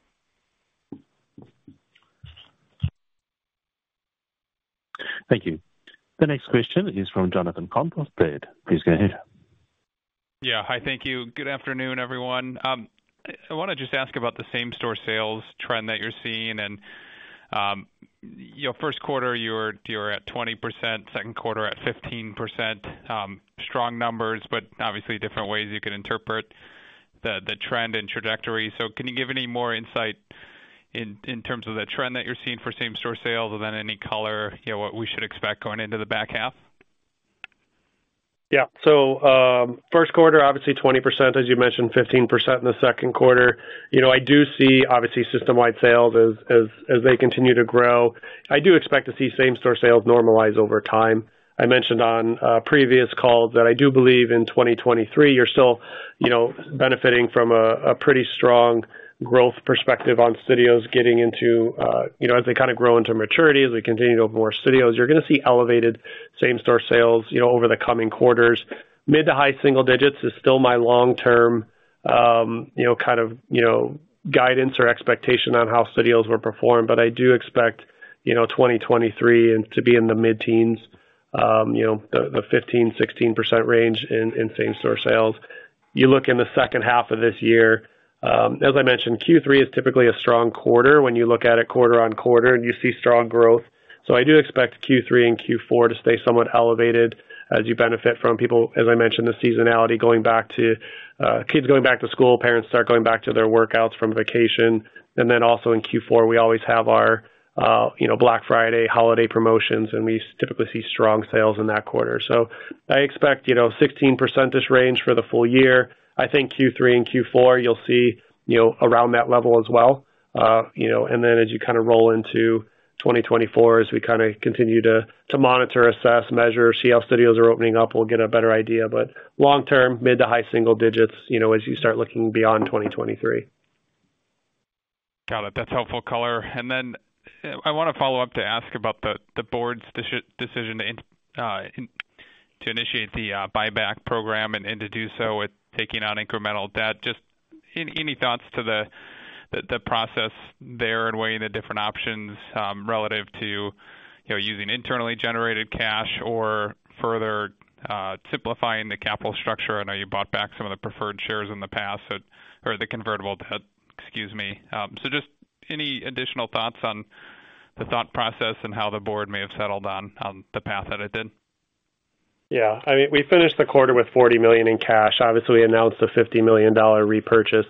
Thank you. The next question is from Jonathan Komp of Baird. Please go ahead. Yeah. Hi, thank you. Good afternoon, everyone. I wanna just ask about the same-store sales trend that you're seeing. Your Q1, you were at 20%, Q2 at 15%. Strong numbers, but obviously different ways you could interpret the trend and trajectory. Can you give any more insight in terms of the trend that you're seeing for same-store sales and then any color, you know, what we should expect going into the back half? Yeah. Q1, obviously 20%, as you mentioned, 15% in the Q2. You know, I do see, obviously, system-wide sales as, as, as they continue to grow. I do expect to see same-store sales normalize over time. I mentioned on previous calls that I do believe in 2023, you're still, you know, benefiting from a pretty strong growth perspective on studios getting into, you know, as they kind of grow into maturity, as we continue to open more studios, you're gonna see elevated same-store sales, you know, over the coming quarters. Mid to high single digits is still my long-term, you know, kind of, you know, guidance or expectation on how studios will perform. I do expect, you know, 2023 and to be in the mid-teens, you know, the 15%-16% range in same-store sales. You look in the second half of this year, as I mentioned, Q3 is typically a strong quarter when you look at it quarter-over-quarter, and you see strong growth. I do expect Q3 and Q4 to stay somewhat elevated as you benefit from people, as I mentioned, the seasonality, going back to kids going back to school, parents start going back to their workouts from vacation. Also in Q4, we always have our, you know, Black Friday holiday promotions, and we typically see strong sales in that quarter. I expect, you know, 16% range for the full year. I think Q3 and Q4, you'll see, you know, around that level as well. You know, then as you kind of roll into 2024, as we kind of continue to, to monitor, assess, measure, see how studios are opening up, we'll get a better idea. Long term, mid to high single digits, you know, as you start looking beyond 2023. Got it. That's helpful color. Then I want to follow up to ask about the board's decision to initiate the buyback program and, and to do so with taking on incremental debt. Any, any thoughts to the process there in weighing the different options, relative to, you know, using internally generated cash or further simplifying the capital structure? I know you bought back some of the preferred shares in the past, or the convertible debt, excuse me. Just any additional thoughts on the thought process and how the board may have settled on, on the path that it did? Yeah. I mean, we finished the quarter with $40 million in cash. Obviously, we announced a $50 million repurchase.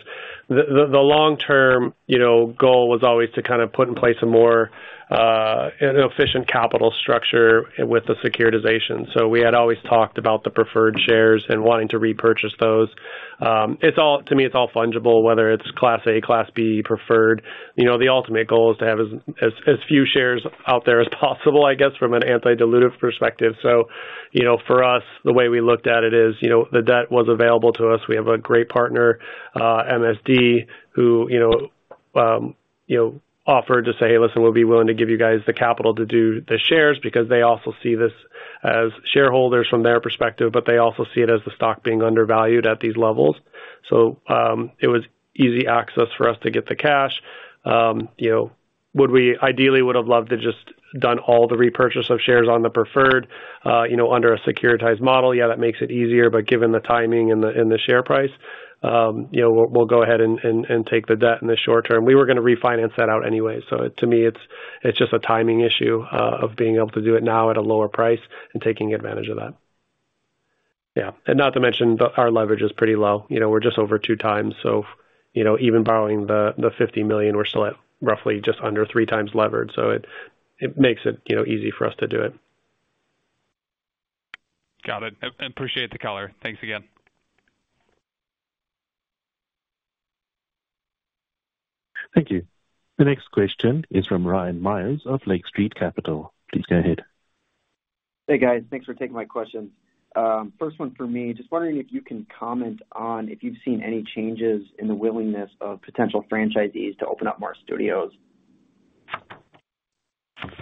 The long-term, you know, goal was always to kind of put in place a more efficient capital structure with the securitization. We had always talked about the preferred shares and wanting to repurchase those. It's all, to me, it's all fungible, whether it's Class A, Class B, preferred. You know, the ultimate goal is to have as few shares out there as possible, I guess, from an anti-dilutive perspective. For us, the way we looked at it is, you know, the debt was available to us. We have a great partner, MSD, who, you know, you know, offered to say, "Hey, listen, we'll be willing to give you guys the capital to do the shares," because they also see this as shareholders from their perspective. They also see it as the stock being undervalued at these levels. It was easy access for us to get the cash. You know, would we ideally would have loved to just done all the repurchase of shares on the preferred, you know, under a securitized model? Yeah, that makes it easier. Given the timing and the, and the share price, you know, we'll, we'll go ahead and, and, and take the debt in the short term. We were gonna refinance that out anyway, so to me, it's, it's just a timing issue of being able to do it now at a lower price and taking advantage of that. Yeah. Not to mention, but our leverage is pretty low. You know, we're just over two times. You know, even borrowing the $50 million, we're still at roughly just under three times levered, so it, it makes it, you know, easy for us to do it. Got it. Appreciate the color. Thanks again. Thank you. The next question is from Ryan Meyers of Lake Street Capital. Please go ahead. Hey, guys. Thanks for taking my questions. First one for me, just wondering if you can comment on if you've seen any changes in the willingness of potential franchisees to open up more studios?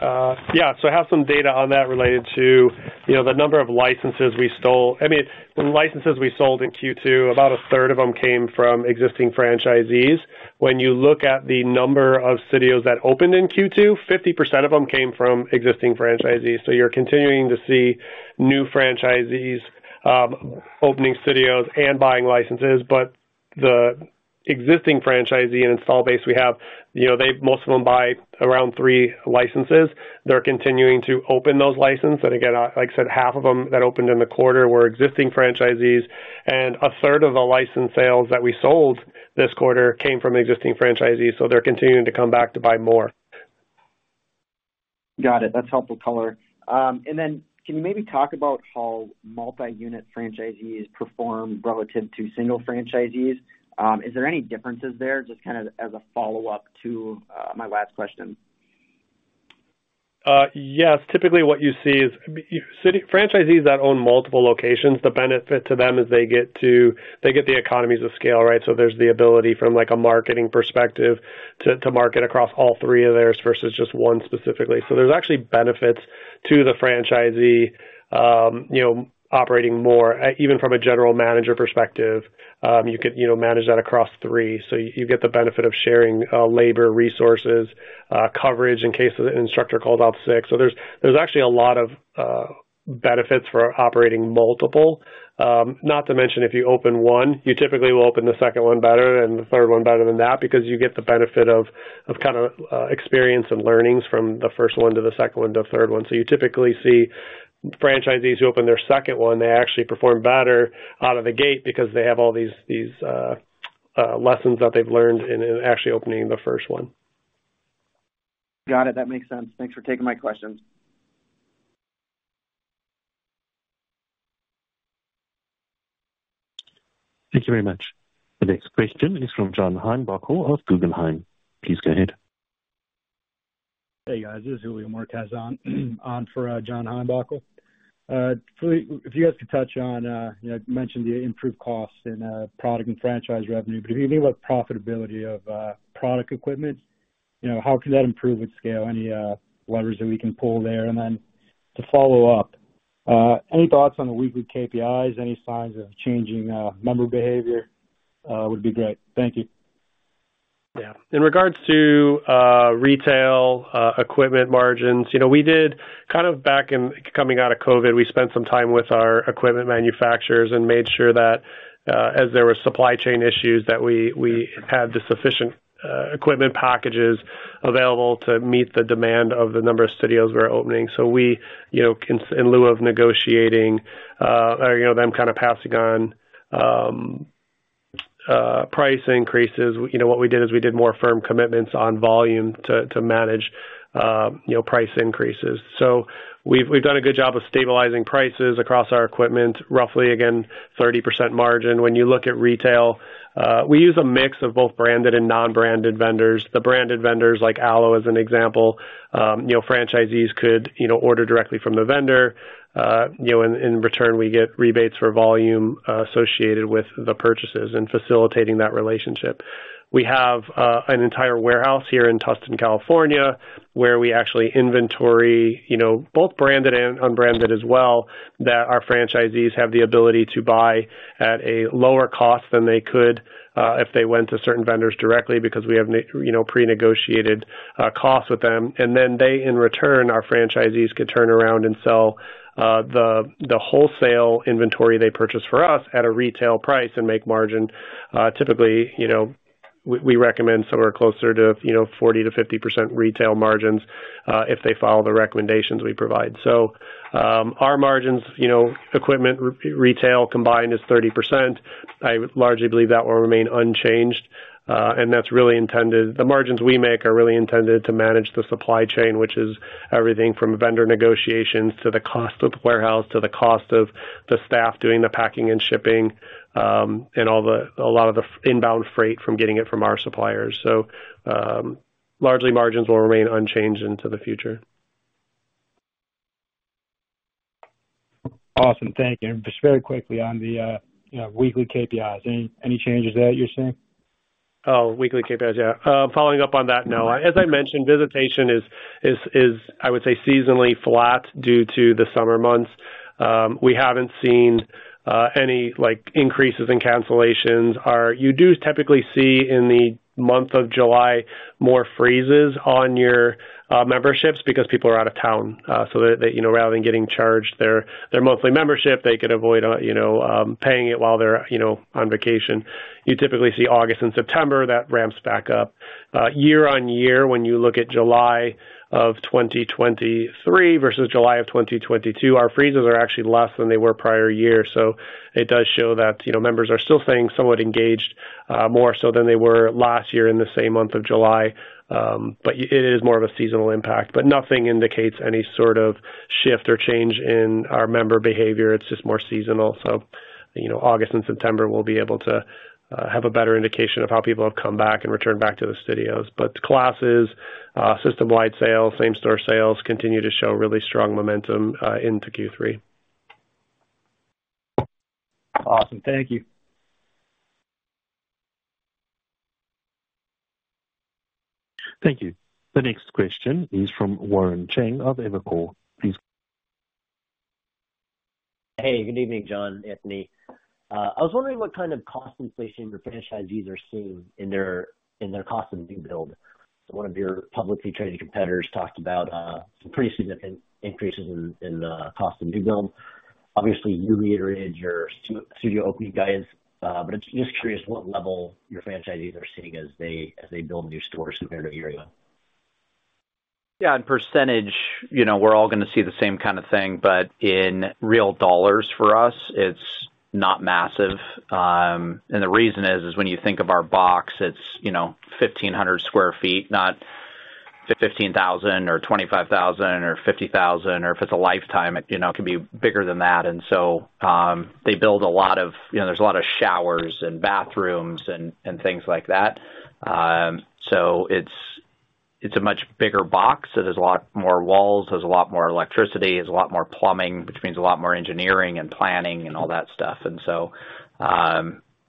Yeah, I have some data on that related to, you know, the number of licenses we stole. I mean, the licenses we sold in Q2, about a third of them came from existing franchisees. When you look at the number of studios that opened in Q2, 50% of them came from existing franchisees. You're continuing to see new franchisees opening studios and buying licenses. The existing franchisee and install base we have, you know, most of them buy around three licenses. They're continuing to open those licenses. Again, like I said, half of them that opened in the quarter were existing franchisees. A third of the license sales that we sold this quarter came from existing franchisees. They're continuing to come back to buy more. Got it. That's helpful color. Then, can you maybe talk about how multi-unit franchisees perform relative to single franchisees? Is there any differences there? Just kind of as a follow-up to my last question. Yes. Typically, what you see is, franchisees that own multiple locations, the benefit to them is they get the economies of scale, right? There's the ability from, like, a marketing perspective, to, to market across all three of theirs versus just one specifically. There's actually benefits to the franchisee, you know, operating more. Even from a general manager perspective, you could, you know, manage that across three. You get the benefit of sharing labor, resources, coverage in case an instructor called off sick. There's, there's actually a lot of benefits for operating multiple. Not to mention, if you open one, you typically will open the second one better and the third one better than that, because you get the benefit of, of kind of experience and learnings from the first one to the second one to the third one. You typically see franchisees who open their second one, they actually perform better out of the gate because they have all these, these lessons that they've learned in, in actually opening the first one. Got it. That makes sense. Thanks for taking my questions. Thank you very much. The next question is from John Heinbockel of Guggenheim. Please go ahead. Hey, guys, this is Julio Marquez, on for John Heinbockel. If you guys could touch on, you know, mentioned the improved costs in product and franchise revenue, but if you mean what profitability of product equipment, you know, how could that improve with scale? Any levers that we can pull there? Then to follow up, any thoughts on the weekly KPIs? Any signs of changing member behavior would be great. Thank you. Yeah. In regards to retail equipment margins, you know, we did kind of coming out of COVID, we spent some time with our equipment manufacturers and made sure that as there were supply chain issues, that we, we had the sufficient equipment packages available to meet the demand of the number of studios we were opening. So we, you know, in lieu of negotiating, or you know, them kind of passing on price increases, you know, what we did is we did more firm commitments on volume to, to manage, you know, price increases. So we've, we've done a good job of stabilizing prices across our equipment. Roughly, again, 30% margin. When you look at retail, we use a mix of both branded and non-branded vendors. The branded vendors, like Alo, as an example, you know, franchisees could, you know, order directly from the vendor. You know, in, in return, we get rebates for volume, associated with the purchases and facilitating that relationship. We have an entire warehouse here in Tustin, California, where we actually inventory, you know, both branded and unbranded as well, that our franchisees have the ability to buy at a lower cost than they could, if they went to certain vendors directly, because we have you know, pre-negotiated costs with them. Then they, in return, our franchisees, can turn around and sell the wholesale inventory they purchased for us at a retail price and make margin. Typically, you know, we, we recommend somewhere closer to, you know, 40%-50% retail margins, if they follow the recommendations we provide. Our margins, you know, equipment, retail combined is 30%. I largely believe that will remain unchanged. That's really intended. The margins we make are really intended to manage the supply chain, which is everything from vendor negotiations to the cost of the warehouse, to the cost of the staff doing the packing and shipping, and all the, a lot of the inbound freight from getting it from our suppliers. Largely margins will remain unchanged into the future. Awesome. Thank you. Just very quickly on the weekly KPIs. Any, any changes there you're seeing? Oh, weekly KPIs. Yeah. following up on that, no. As I mentioned, visitation is, is, is, I would say, seasonally flat due to the summer months. we haven't seen any, like, increases in cancellations. You do typically see in the month of July, more freezes on your memberships because people are out of town, so that, you know, rather than getting charged their, their monthly membership, they could avoid, you know, paying it while they're, you know, on vacation. You typically see August and September, that ramps back up. year-over-year, when you look at July of 2023 versus July of 2022, our freezes are actually less than they were prior year. It does show that, you know, members are still staying somewhat engaged, more so than they were last year in the same month of July. It is more of a seasonal impact, but nothing indicates any sort of shift or change in our member behavior. It's just more seasonal. You know, August and September, we'll be able to have a better indication of how people have come back and returned back to the studios. Classes, system-wide sales, same store sales, continue to show really strong momentum into Q3. Awesome. Thank you. Thank you. The next question is from Warren Cheng of Evercore. Please go- Hey, good evening, John, Anthony. I was wondering what kind of cost inflation your franchisees are seeing in their, in their cost in new build? One of your publicly traded competitors talked about, some pretty significant increases in, in, cost of new build. Obviously, you reiterated your studio opening guidance, but just curious what level your franchisees are seeing as they, as they build new stores compared to earlier? Yeah, in percentage, you know, we're all gonna see the same kind of thing, but in real dollars for us, it's not massive. The reason is, is when you think of our box, it's, you know, 1,500 sq ft, not 15,000 or 25,000 or 50,000, or if it's a Life Time, it, you know, it could be bigger than that. They build a lot of... You know, there's a lot of showers and bathrooms and, and things like that. It's, it's a much bigger box. There's a lot more walls, there's a lot more electricity, there's a lot more plumbing, which means a lot more engineering and planning and all that stuff.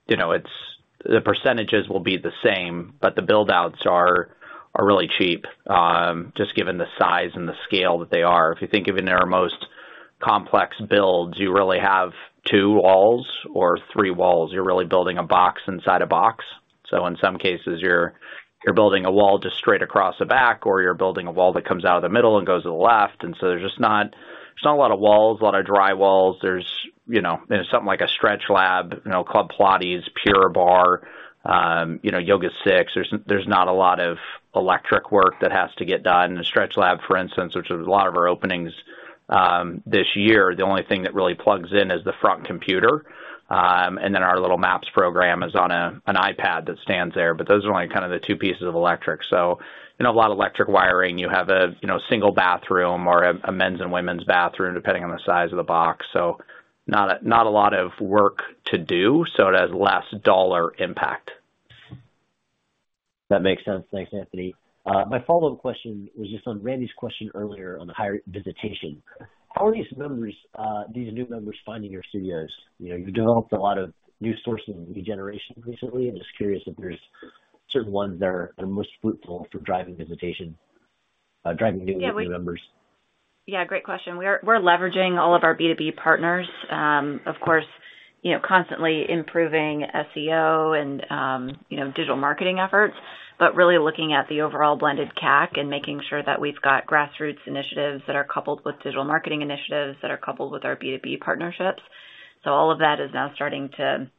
You know, the percentages will be the same, but the build outs are, are really cheap, just given the size and the scale that they are. If you think of it in our most complex builds, you really have two walls or three walls. You're really building a box inside a box. In some cases, you're, you're building a wall just straight across the back, or you're building a wall that comes out of the middle and goes to the left. There's just not, there's not a lot of walls, a lot of dry walls. There's, you know, something like a StretchLab, you know, Club Pilates, Pure Barre, you know, YogaSix. There's, there's not a lot of electric work that has to get done. In the StretchLab, for instance, which is a lot of our openings, this year, the only thing that really plugs in is the front computer. Then our little MAPS program is on a, an iPad that stands there, but those are only kind of the two pieces of electric. You know, a lot of electric wiring. You have a, you know, single bathroom or a, a men's and women's bathroom, depending on the size of the box. Not a, not a lot of work to do, so it has less dollar impact. That makes sense. Thanks, Anthony. My follow-up question was just on Randy's question earlier on the higher visitation. How are these members, these new members finding your studios? You know, you've developed a lot of new sources of lead generation recently. I'm just curious if there's certain ones that are the most fruitful for driving visitation, driving new members. Yeah, great question. We're leveraging all of our B2B partners. Of course, you know, constantly improving SEO and, you know, digital marketing efforts, really looking at the overall blended CAC and making sure that we've got grassroots initiatives that are coupled with digital marketing initiatives, that are coupled with our B2B partnerships. All of that is now starting to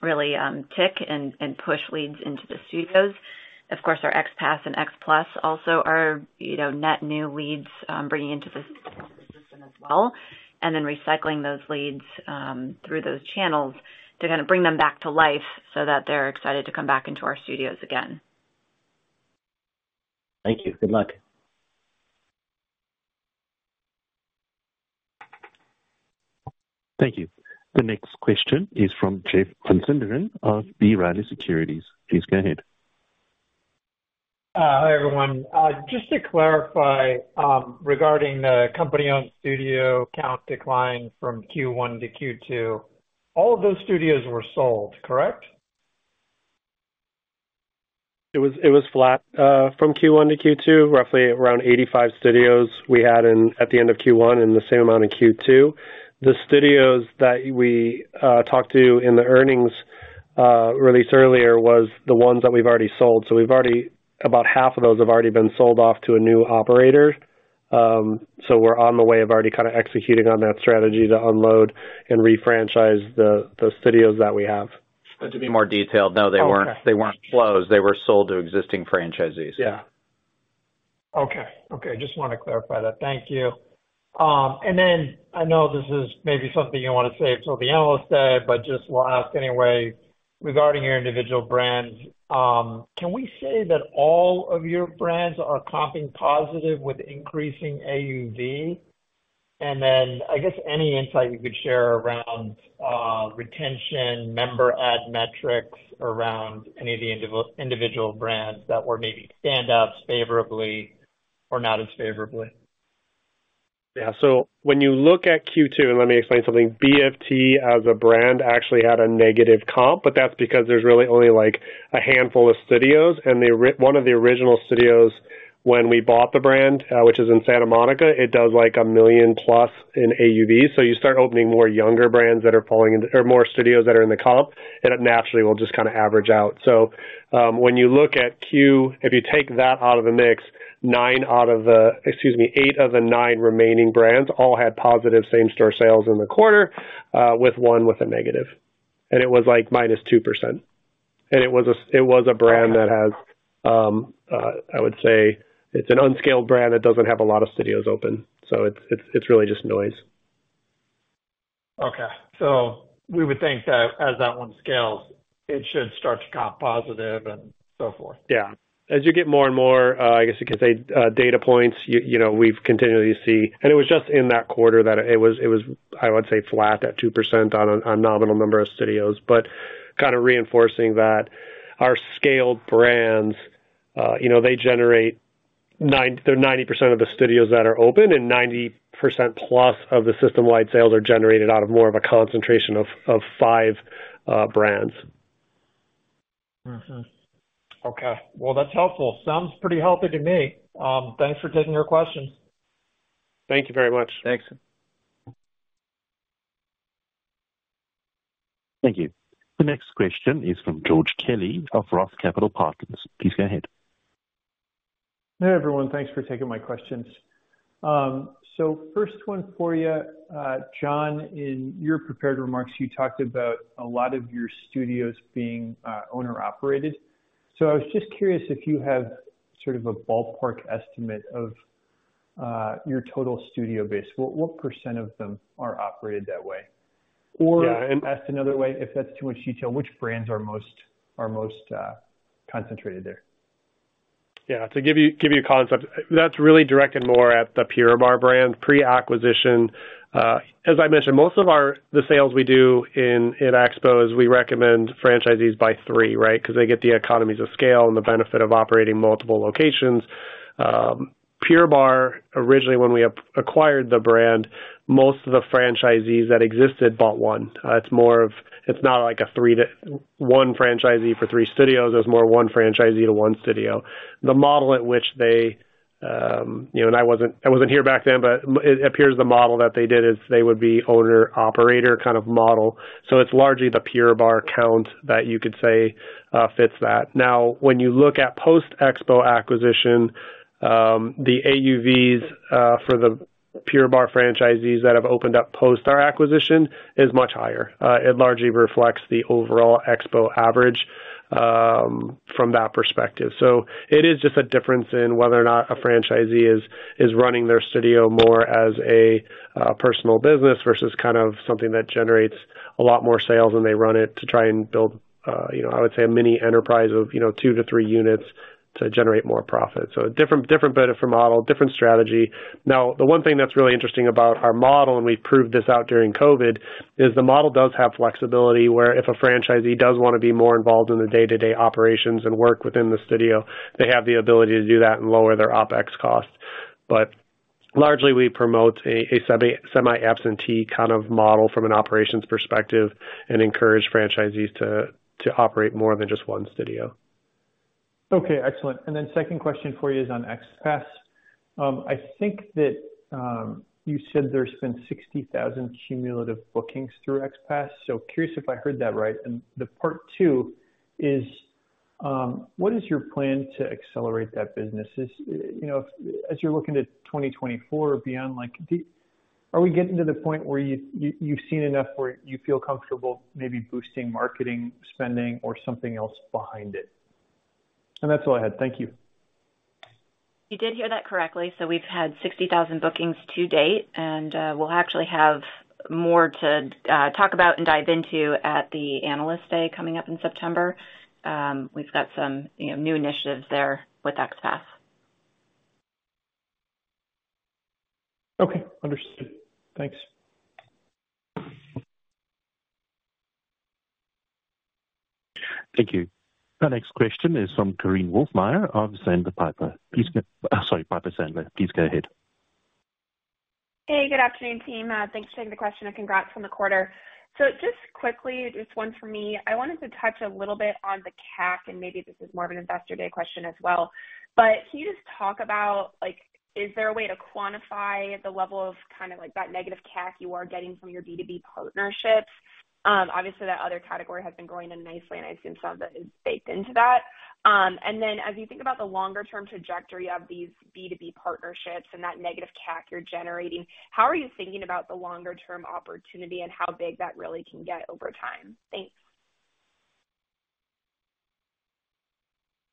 really tick and, and push leads into the studios. Of course, our XPASS and XPLUS also are, you know, net new leads, bringing into the system as well, and then recycling those leads through those channels to kind of bring them back to life so that they're excited to come back into our studios again. Thank you. Good luck. Thank you. The next question is from Jeff Van Sinderen of B. Riley Securities. Please go ahead. Hi, everyone. Just to clarify, regarding the company-owned studio count decline from Q1 to Q2, all of those studios were sold, correct? It was, it was flat, from Q1 to Q2, roughly around 85 studios we had at the end of Q1 and the same amount in Q2. The studios that we talked to in the earnings release earlier was the ones that we've already sold. About half of those have already been sold off to a new operator. We're on the way of already kind of executing on that strategy to unload and refranchise the, the studios that we have. To be more detailed, no, they weren't. Okay. They weren't closed. They were sold to existing franchisees. Yeah. Okay. Okay, just want to clarify that. Thank you. Then I know this is maybe something you don't want to save till the Analyst Day, but just will ask anyway, regarding your individual brands, can we say that all of your brands are comping positive with increasing AUV? I guess, any insight you could share around retention, member ad metrics around any of the individual brands that were maybe stand out favorably or not as favorably? Yeah. When you look at Q2, and let me explain something, BFT as a brand actually had a negative comp, but that's because there's really only, like, a handful of studios, and one of the original studios when we bought the brand, which is in Santa Monica, it does like $1 million+ in AUV. You start opening more younger brands that are falling, or more studios that are in the comp, and it naturally will just kind of average out. When you look at Q, if you take that out of the mix, 9 out of the, excuse me, 8 of the 9 remaining brands all had positive same store sales in the quarter, with 1 with a negative. It was like -2%. It was a, it was a brand that has, I would say it's an unscaled brand that doesn't have a lot of studios open, so it's, it's, it's really just noise. Okay. We would think that as that one scales, it should start to comp positive and so forth? Yeah. As you get more and more, I guess you could say, data points, you, you know, we've continually see... It was just in that quarter that it was, it was, I would say, flat at 2% on a, on nominal number of studios. Kind of reinforcing that our scaled brands, you know, they generate they're 90% of the studios that are open, and 90% plus of the system-wide sales are generated out of more of a concentration of, of 5 brands. Okay, well, that's helpful. Sounds pretty healthy to me. Thanks for taking our questions. Thank you very much. Thanks. Thank you. The next question is from George Kelly of Roth Capital Partners. Please go ahead. Hey, everyone, thanks for taking my questions. First one for you, John, in your prepared remarks, you talked about a lot of your studios being owner-operated. I was just curious if you have sort of a ballpark estimate of your total studio base. What, what % of them are operated that way? Yeah. asked another way, if that's too much detail, which brands are most, are most, concentrated there? Yeah. To give you, give you a concept, that's really directed more at the Pure Barre brand, pre-acquisition. As I mentioned, most of our, the sales we do in, in Xpo's, we recommend franchisees by 3, right? Because they get the economies of scale and the benefit of operating multiple locations. Pure Barre, originally, when we acquired the brand, most of the franchisees that existed bought 1. It's not like a 3 to 1 franchisee for 3 studios. It was more 1 franchisee to 1 studio. The model at which they, you know, and I wasn't, I wasn't here back then, but it appears the model that they did is they would be owner, operator kind of model. It's largely the Pure Barre count that you could say, fits that. When you look at post-Xpo acquisition, the AUVs for the Pure Barre franchisees that have opened up post our acquisition is much higher. It largely reflects the overall Xpo average from that perspective. It is just a difference in whether or not a franchisee is, is running their studio more as a personal business versus kind of something that generates a lot more sales when they run it to try and build, you know, I would say a mini enterprise of, you know, 2 to 3 units to generate more profit. A different, different benefit model, different strategy. The one thing that's really interesting about our model, and we've proved this out during COVID, is the model does have flexibility, where if a franchisee does want to be more involved in the day-to-day operations and work within the studio, they have the ability to do that and lower their OpEx costs. Largely, we promote a semi-absentee kind of model from an operations perspective and encourage franchisees to operate more than just one studio. Okay, excellent. Second question for you is on XPASS. I think that you said there's been 60,000 cumulative bookings through XPASS, so curious if I heard that right. The part two is, what is your plan to accelerate that business? You know, as you're looking to 2024 or beyond, like, are we getting to the point where you've seen enough where you feel comfortable maybe boosting marketing, spending, or something else behind it? That's all I had. Thank you. You did hear that correctly. We've had 60,000 bookings to date, and we'll actually have more to talk about and dive into at the Analyst Day coming up in September. We've got some, you know, new initiatives there with XPASS. Okay, understood. Thanks. Thank you. Our next question is from Korinne Wolfmeyer of Piper Sandler. sorry, Piper Sandler. Please go ahead. Hey, good afternoon, team. Thanks for taking the question, and congrats on the quarter. Just quickly, just one for me. I wanted to touch a little bit on the CAC, and maybe this is more of an Investor Day question as well, but can you just talk about, is there a way to quantify the level of kind of that negative CAC you are getting from your B2B partnerships? Obviously, that other category has been growing in nicely, and I've seen some of that is baked into that. Then as you think about the longer term trajectory of these B2B partnerships and that negative CAC you're generating, how are you thinking about the longer term opportunity and how big that really can get over time? Thanks.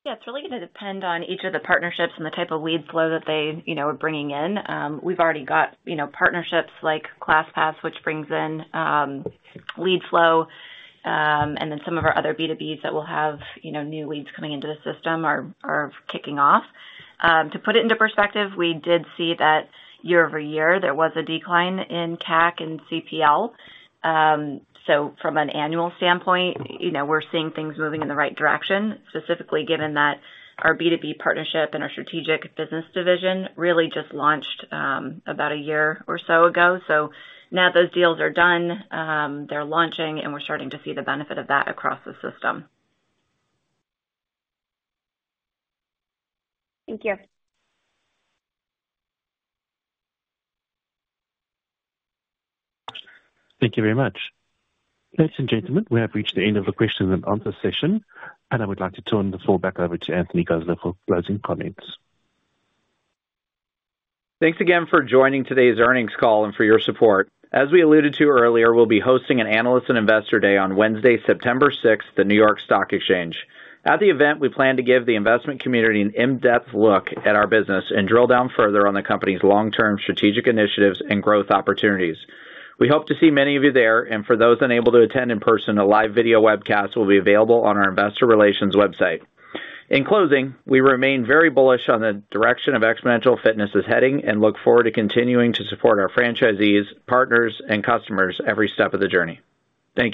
Yeah, it's really going to depend on each of the partnerships and the type of lead flow that they, you know, are bringing in. We've already got, you know, partnerships like ClassPass, which brings in, lead flow, and then some of our other B2Bs that will have, you know, new leads coming into the system are, are kicking off. To put it into perspective, we did see that year-over-year, there was a decline in CAC and CPL. From an annual standpoint, you know, we're seeing things moving in the right direction, specifically given that our B2B partnership and our strategic business division really just launched, about a year or so ago. Now those deals are done, they're launching, and we're starting to see the benefit of that across the system. Thank you. Thank you very much. Ladies and gentlemen, we have reached the end of the question and answer session, and I would like to turn the call back over to Anthony Geisler for closing comments. Thanks again for joining today's earnings call and for your support. As we alluded to earlier, we'll be hosting an Analyst and Investor Day on Wednesday, September sixth, the New York Stock Exchange. At the event, we plan to give the investment community an in-depth look at our business and drill down further on the company's long-term strategic initiatives and growth opportunities. We hope to see many of you there, for those unable to attend in person, a live video webcast will be available on our investor relations website. In closing, we remain very bullish on the direction Xponential Fitness's heading and look forward to continuing to support our franchisees, partners, and customers every step of the journey. Thank you.